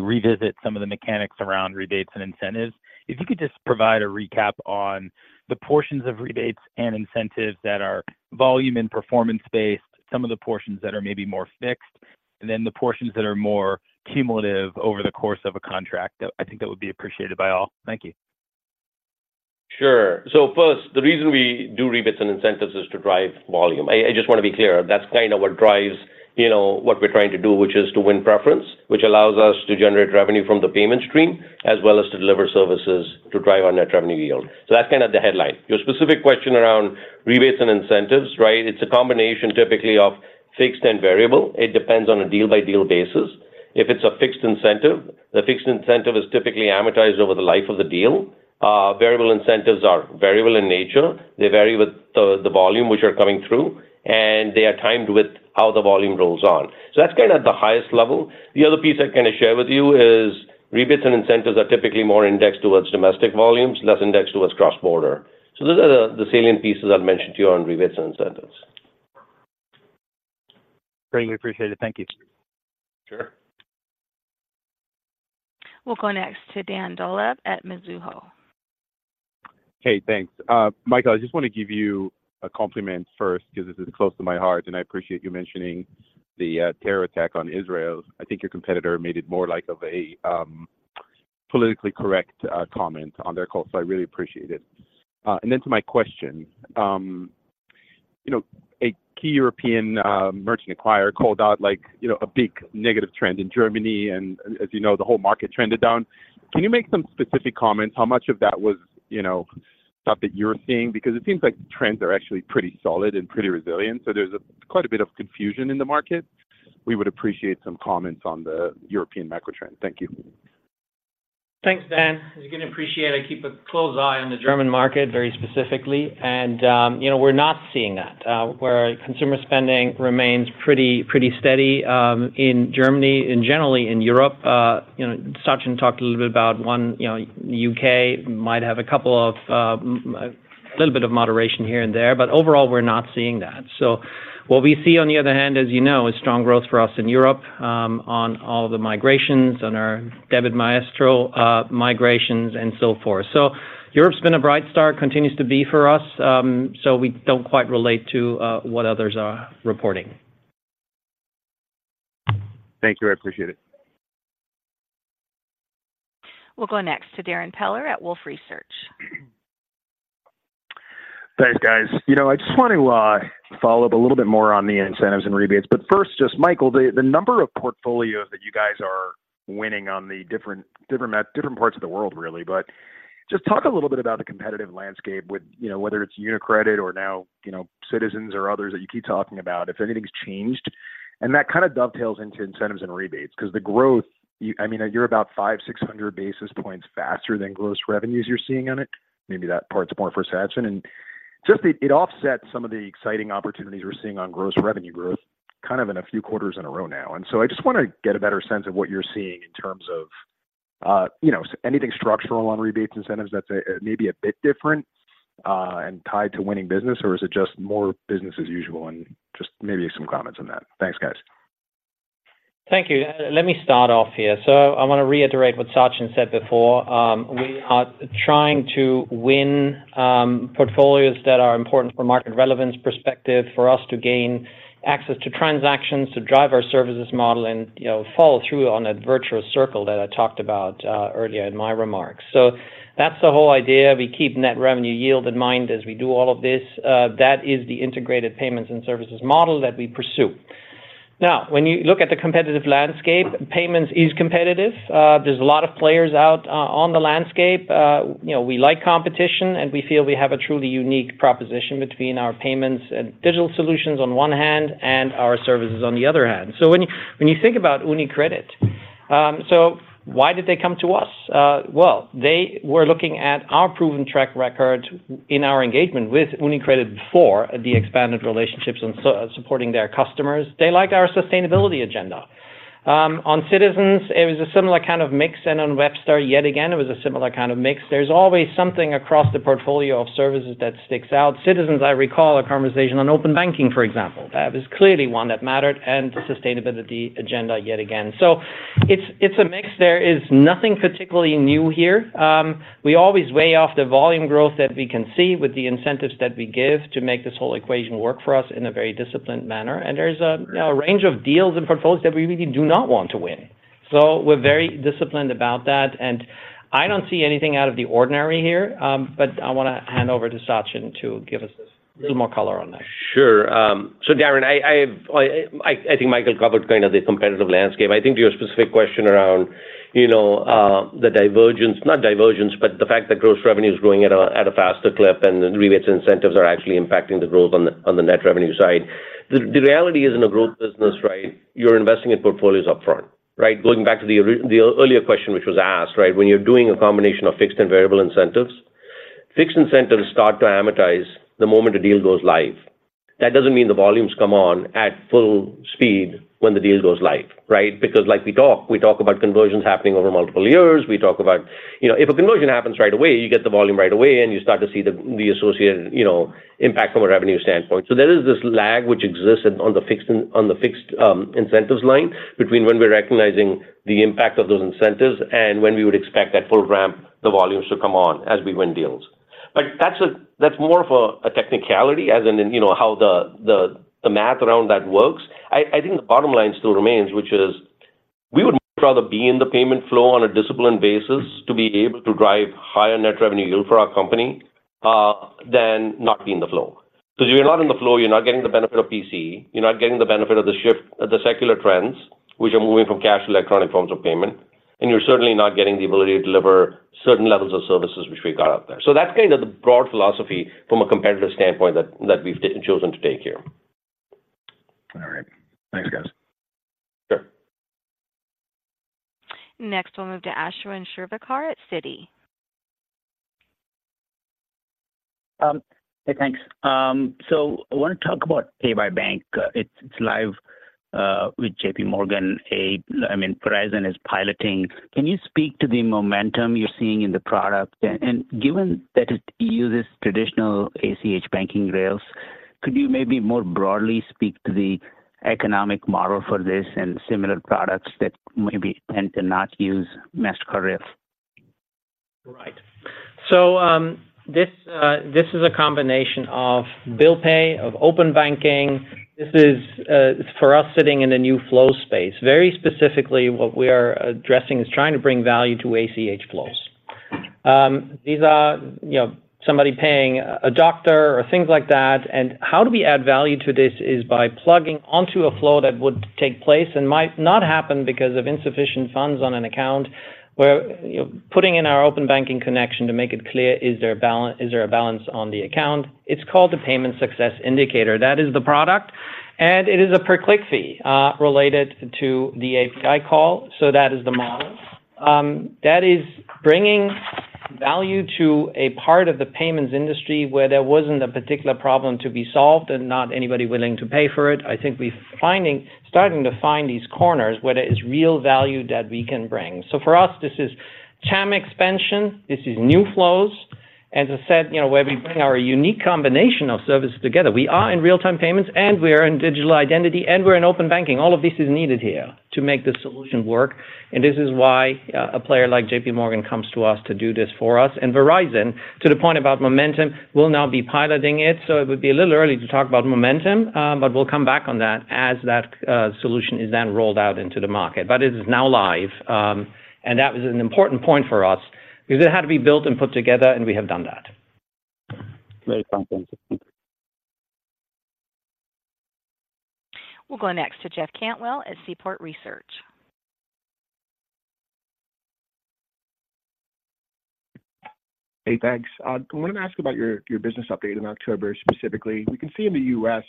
revisit some of the mechanics around rebates and incentives. If you could just provide a recap on the portions of rebates and incentives that are volume and performance-based, some of the portions that are maybe more fixed, and then the portions that are more cumulative over the course of a contract, I think that would be appreciated by all. Thank you. Sure. So first, the reason we do rebates and incentives is to drive volume. I just want to be clear, that's kind of what drives, you know, what we're trying to do, which is to win preference, which allows us to generate revenue from the payment stream, as well as to deliver services to drive our net revenue yield. So that's kind of the headline. Your specific question around rebates and incentives, right? It's a combination typically of fixed and variable. It depends on a deal-by-deal basis. If it's a fixed incentive, the fixed incentive is typically amortized over the life of the deal. Variable incentives are variable in nature. They vary with the volume which are coming through, and they are timed with how the volume rolls on. So that's kind of the highest level. The other piece I can share with you is rebates and incentives are typically more indexed towards domestic volumes, less indexed towards cross-border. So those are the salient pieces I'll mention to you on rebates and incentives. Greatly appreciated. Thank you. Sure. We'll go next to Dan Dolev at Mizuho. Hey, thanks. Michael, I just want to give you a compliment first, because this is close to my heart, and I appreciate you mentioning the terror attack on Israel. I think your competitor made it more like of a politically correct comment on their call, so I really appreciate it. And then to my question, you know, a key European merchant acquirer called out, like, you know, a big negative trend in Germany, and as you know, the whole market trended down. Can you make some specific comments? How much of that was, you know, stuff that you're seeing? Because it seems like the trends are actually pretty solid and pretty resilient, so there's a quite a bit of confusion in the market. We would appreciate some comments on the European macro trend. Thank you. Thanks, Dan. You're gonna appreciate I keep a close eye on the German market very specifically, and, you know, we're not seeing that. Where consumer spending remains pretty, pretty steady, in Germany and generally in Europe. You know, Sachin talked a little bit about, you know, UK might have a couple of, a little bit of moderation here and there, but overall, we're not seeing that. So what we see, on the other hand, as you know, is strong growth for us in Europe, on all the migrations, on our Debit Maestro, migrations, and so forth. So Europe's been a bright star, continues to be for us, so we don't quite relate to, what others are reporting. Thank you. I appreciate it. We'll go next to Darrin Peller at Wolfe Research. Thanks, guys. You know, I just want to follow up a little bit more on the incentives and rebates, but first, just Michael, the number of portfolios that you guys are winning on the different parts of the world, really, but just talk a little bit about the competitive landscape with, you know, whether it's UniCredit or now, you know, Citizens or others that you keep talking about, if anything's changed. And that kind of dovetails into incentives and rebates, 'cause the growth, you—I mean, you're about 500-600 basis points faster than gross revenues you're seeing on it. Maybe that part's more for Sachin, and just it offsets some of the exciting opportunities we're seeing on gross revenue growth, kind of in a few quarters in a row now. And so I just want to get a better sense of what you're seeing in terms of, you know, anything structural on rebates, incentives that's, maybe a bit different, and tied to winning business, or is it just more business as usual? And just maybe some comments on that. Thanks, guys. Thank you. Let me start off here. So I want to reiterate what Sachin said before. We are trying to win portfolios that are important for market relevance perspective, for us to gain access to transactions, to drive our services model and, you know, follow through on that virtuous circle that I talked about earlier in my remarks. So that's the whole idea. We keep net revenue yield in mind as we do all of this. That is the integrated payments and services model that we pursue. Now, when you look at the competitive landscape, payments is competitive. There's a lot of players out on the landscape. You know, we like competition, and we feel we have a truly unique proposition between our payments and digital solutions on one hand, and our services on the other hand. So when you think about UniCredit, so why did they come to us? Well, they were looking at our proven track record in our engagement with UniCredit before the expanded relationships and supporting their customers. They liked our sustainability agenda. On Citizens, it was a similar kind of mix, and on Webster, yet again, it was a similar kind of mix. There's always something across the portfolio of services that sticks out. Citizens, I recall, a conversation on open banking, for example. That is clearly one that mattered and the sustainability agenda yet again. So it's a mix. There is nothing particularly new here. We always weigh off the volume growth that we can see with the incentives that we give to make this whole equation work for us in a very disciplined manner. There's a range of deals and portfolios that we really do not want to win. So we're very disciplined about that, and I don't see anything out of the ordinary here, but I wanna hand over to Sachin to give us a little more color on that. Sure. So Darrin, I think Michael covered kind of the competitive landscape. I think to your specific question around, you know, the divergence, not divergence, but the fact that gross revenue is growing at a faster clip, and the rebates incentives are actually impacting the growth on the net revenue side. The reality is in a growth business, right, you're investing in portfolios upfront, right? Going back to the origin- the earlier question, which was asked, right? When you're doing a combination of fixed and variable incentives, fixed incentives start to amortize the moment a deal goes live. That doesn't mean the volumes come on at full speed when the deal goes live, right? Because like we talk, we talk about conversions happening over multiple years, we talk about, you know, if a conversion happens right away, you get the volume right away, and you start to see the, the associated, you know, impact from a revenue standpoint. So there is this lag which exists on the fixed, on the fixed, incentives line between when we're recognizing the impact of those incentives and when we would expect that full ramp, the volumes to come on as we win deals. But that's more of a, a technicality, as in, you know, how the math around that works. I think the bottom line still remains, which is we would rather be in the payment flow on a disciplined basis to be able to drive higher net revenue yield for our company, than not be in the flow. Because if you're not in the flow, you're not getting the benefit of PCE, you're not getting the benefit of the shift, the secular trends, which are moving from cash to electronic forms of payment, and you're certainly not getting the ability to deliver certain levels of services which we got out there. So that's kind of the broad philosophy from a competitive standpoint that we've chosen to take here. All right. Thanks, guys. Sure. Next, we'll move to Ashwin Shirvaikar at Citi. Hey, thanks. So I wanna talk about Pay by Bank. It's, it's live with J.P. Morgan. I mean, Verizon is piloting. Can you speak to the momentum you're seeing in the product? And given that it uses traditional ACH banking rails, could you maybe more broadly speak to the economic model for this and similar products that maybe tend to not use Mastercard rails? Right. So, this, this is a combination of bill pay, of open banking. This is, for us, sitting in a new flow space. Very specifically, what we are addressing is trying to bring value to ACH flows. These are, you know, somebody paying a doctor or things like that, and how do we add value to this is by plugging onto a flow that would take place and might not happen because of insufficient funds on an account, where, you know, putting in our open banking connection to make it clear, is there a balance, is there a balance on the account? It's called the Payment Success Indicator. That is the product, and it is a per-click fee, related to the API call, so that is the model. That is bringing value to a part of the payments industry where there wasn't a particular problem to be solved and not anybody willing to pay for it. I think we're finding, starting to find these corners where there is real value that we can bring. So for us, this is TAM expansion, this is new flows, and as I said, you know, where we bring our unique combination of services together. We are in real-time payments, and we are in digital identity, and we're in open banking. All of this is needed here to make this solution work, and this is why, a player like JP Morgan comes to us to do this for us. Verizon, to the point about momentum, will now be piloting it, so it would be a little early to talk about momentum, but we'll come back on that as that solution is then rolled out into the market. It is now live, and that was an important point for us because it had to be built and put together, and we have done that. Very comprehensive. Thank you. We'll go next to Jeff Cantwell at Seaport Research. Hey, thanks. I wanted to ask about your, your business update in October. Specifically, we can see in the U.S.,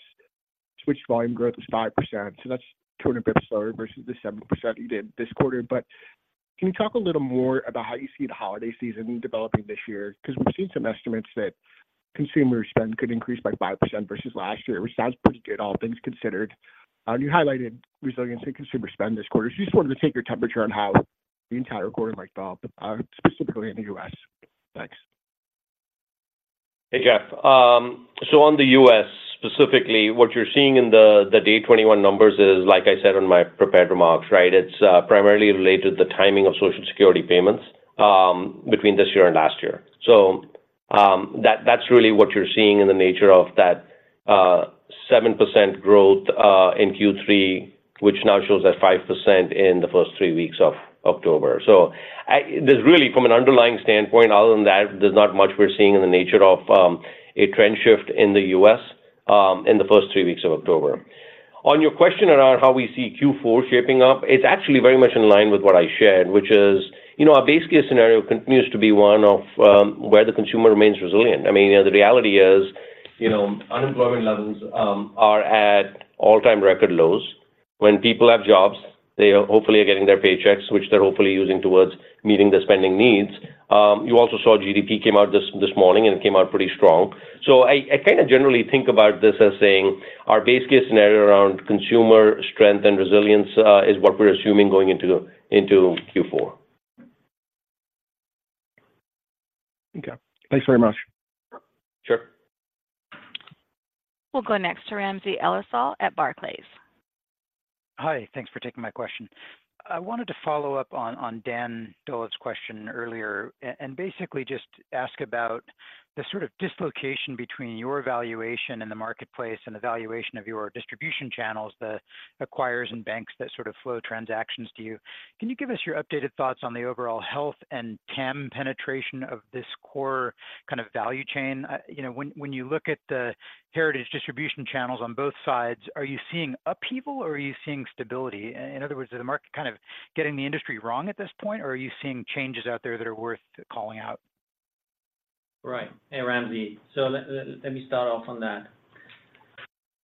switch volume growth is 5%, so that's 200 basis slower versus the 7% you did this quarter. But can you talk a little more about how you see the holiday season developing this year? 'Cause we've seen some estimates that consumer spend could increase by 5% versus last year, which sounds pretty good, all things considered. You highlighted resiliency in consumer spend this quarter. Just wanted to take your temperature on how the entire quarter might go, but, specifically in the U.S. Thanks. Hey, Jeff. So on the U.S., specifically, what you're seeing in the day 21 numbers is, like I said in my prepared remarks, right? It's primarily related to the timing of Social Security payments between this year and last year. So that, that's really what you're seeing in the nature of that 7% growth in Q3, which now shows as 5% in the first 3 weeks of October. So I... There's really, from an underlying standpoint, other than that, there's not much we're seeing in the nature of a trend shift in the U.S. in the first 3 weeks of October. On your question around how we see Q4 shaping up, it's actually very much in line with what I shared, which is, you know, our base case scenario continues to be one of where the consumer remains resilient. I mean, the reality is, you know, unemployment levels are at all-time record lows. When people have jobs, they hopefully are getting their paychecks, which they're hopefully using towards meeting their spending needs. You also saw GDP came out this morning, and it came out pretty strong. So I kinda generally think about this as saying our base case scenario around consumer strength and resilience is what we're assuming going into Q4. Okay. Thanks very much. Sure. We'll go next to Ramsey El-Assal at Barclays. Hi, thanks for taking my question. I wanted to follow up on, on Dan Dolev's question earlier and basically just ask about the sort of dislocation between your valuation in the marketplace and the valuation of your distribution channels, the acquirers and banks that sort of flow transactions to you. Can you give us your updated thoughts on the overall health and TAM penetration of this core kind of value chain? You know, when, when you look at the heritage distribution channels on both sides, are you seeing upheaval or are you seeing stability? In other words, is the market kind of getting the industry wrong at this point, or are you seeing changes out there that are worth calling out? Right. Hey, Ramsey. So let me start off on that.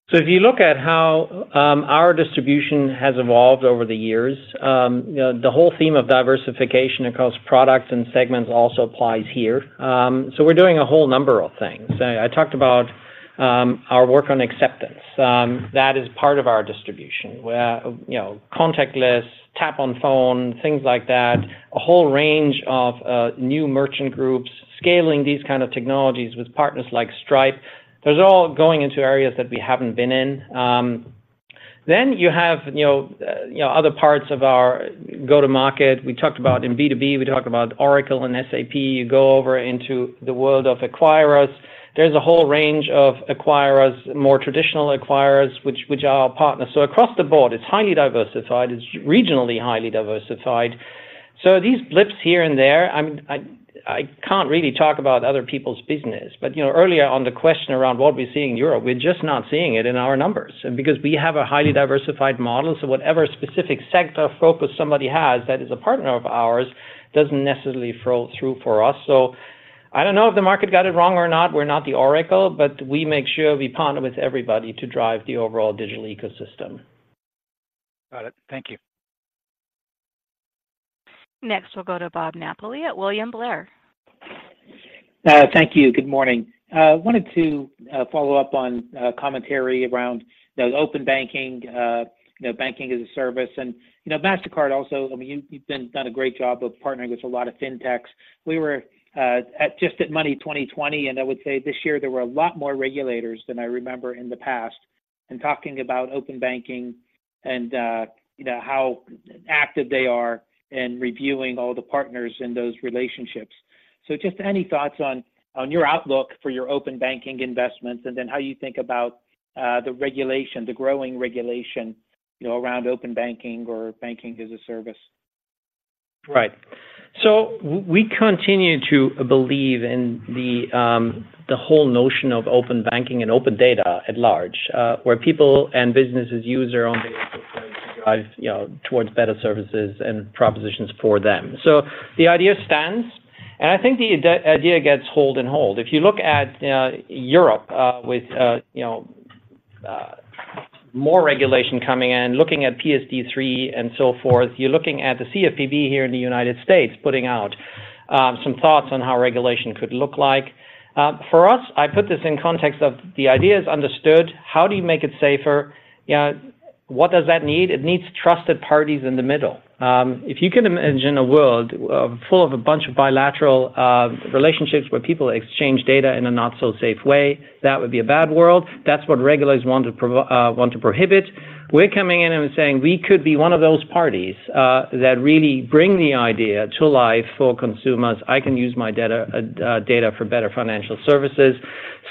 So if you look at how our distribution has evolved over the years, you know, the whole theme of diversification across products and segments also applies here. So we're doing a whole number of things. I talked about our work on acceptance. That is part of our distribution, where, you know, contactless, Tap on Phone, things like that, a whole range of new merchant groups, scaling these kind of technologies with partners like Stripe. Those are all going into areas that we haven't been in. Then you have, you know, other parts of our go-to-market. We talked about in B2B, we talked about Oracle and SAP. You go over into the world of acquirers, there's a whole range of acquirers, more traditional acquirers, which are our partners. So across the board, it's highly diversified, it's regionally highly diversified. So these blips here and there, I can't really talk about other people's business. But, you know, earlier on the question around what we're seeing in Europe, we're just not seeing it in our numbers. And because we have a highly diversified model, so whatever specific sector focus somebody has that is a partner of ours, doesn't necessarily flow through for us. So I don't know if the market got it wrong or not, we're not the oracle, but we make sure we partner with everybody to drive the overall digital ecosystem. Got it. Thank you. Next, we'll go to Bob Napoli at William Blair. Thank you. Good morning. Wanted to follow up on commentary around, you know, open banking, you know, banking as a service. And, you know, Mastercard also, I mean, you've, you've been done a great job of partnering with a lot of fintechs. We were at just at Money20/20, and I would say this year there were a lot more regulators than I remember in the past, and talking about open banking and, you know, how active they are in reviewing all the partners in those relationships. So just any thoughts on your outlook for your open banking investments, and then how you think about the regulation, the growing regulation, you know, around open banking or banking as a service? Right. So we continue to believe in the, the whole notion of open banking and open data at large, where people and businesses use their own data to drive, you know, towards better services and propositions for them. So the idea stands, and I think the idea gets hold and hold. If you look at, Europe, with, you know, more regulation coming in, looking at PSD3 and so forth, you're looking at the CFPB here in the United States, putting out, some thoughts on how regulation could look like. For us, I put this in context of the idea is understood, how do you make it safer? You know, what does that need? It needs trusted parties in the middle. If you could imagine a world full of a bunch of bilateral relationships where people exchange data in a not so safe way, that would be a bad world. That's what regulators want to prohibit. We're coming in and saying, "We could be one of those parties that really bring the idea to life for consumers. I can use my data data for better financial services."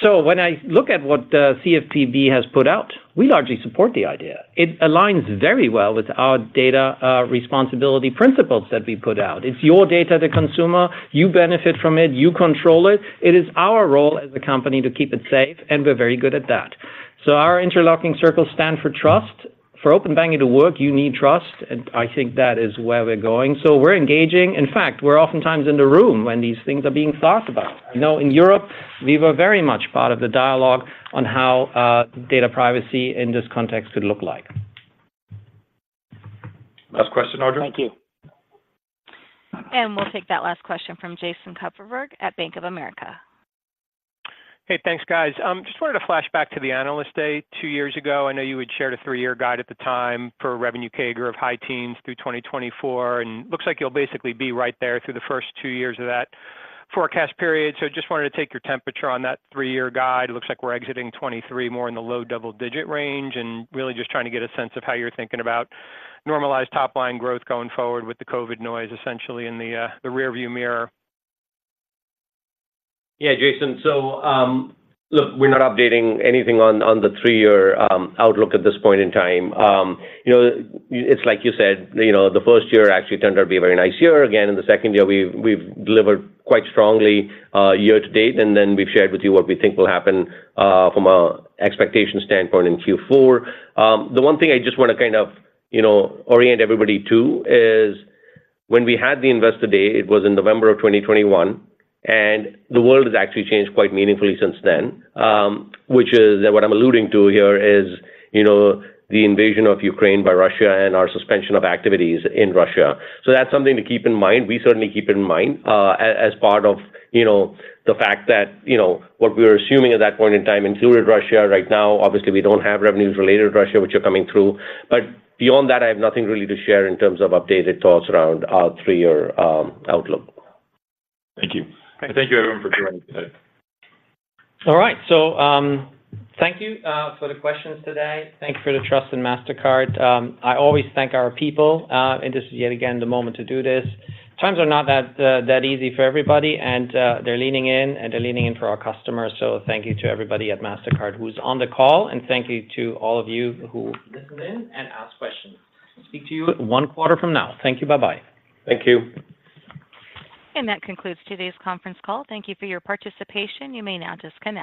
So when I look at what CFPB has put out, we largely support the idea. It aligns very well with our data responsibility principles that we put out. It's your data, the consumer, you benefit from it, you control it. It is our role as a company to keep it safe, and we're very good at that. So our interlocking circles stand for trust. For open banking to work, you need trust, and I think that is where we're going. So we're engaging. In fact, we're oftentimes in the room when these things are being thought about. I know in Europe, we were very much part of the dialogue on how data privacy in this context could look like. Last question, Audrey? Thank you. We'll take that last question from Jason Kupferberg at Bank of America. Hey, thanks, guys. Just wanted to flash back to the Analyst Day two years ago. I know you had shared a three-year guide at the time for a revenue CAGR of high teens through 2024, and looks like you'll basically be right there through the first two years of that forecast period. So just wanted to take your temperature on that three-year guide. It looks like we're exiting 2023 more in the low double-digit range, and really just trying to get a sense of how you're thinking about normalized top line growth going forward with the COVID noise essentially in the rearview mirror. Yeah, Jason. So, look, we're not updating anything on the three-year outlook at this point in time. You know, it's like you said, you know, the first year actually turned out to be a very nice year. Again, in the second year, we've delivered quite strongly year to date, and then we've shared with you what we think will happen from a expectation standpoint in Q4. The one thing I just want to kind of, you know, orient everybody to is when we had the Investor Day, it was in November of 2021, and the world has actually changed quite meaningfully since then, which is what I'm alluding to here is, you know, the invasion of Ukraine by Russia and our suspension of activities in Russia. So that's something to keep in mind. We certainly keep it in mind, as part of, you know, the fact that, you know, what we were assuming at that point in time included Russia. Right now, obviously, we don't have revenues related to Russia, which are coming through. But beyond that, I have nothing really to share in terms of updated thoughts around our three-year outlook. Thank you. And thank you everyone for joining today. All right. So, thank you for the questions today. Thank you for the trust in Mastercard. I always thank our people, and this is yet again the moment to do this. Times are not that easy for everybody, and they're leaning in, and they're leaning in for our customers. So thank you to everybody at Mastercard who's on the call, and thank you to all of you who listened in and asked questions. Speak to you one quarter from now. Thank you. Bye-bye. Thank you. That concludes today's conference call. Thank you for your participation. You may now disconnect.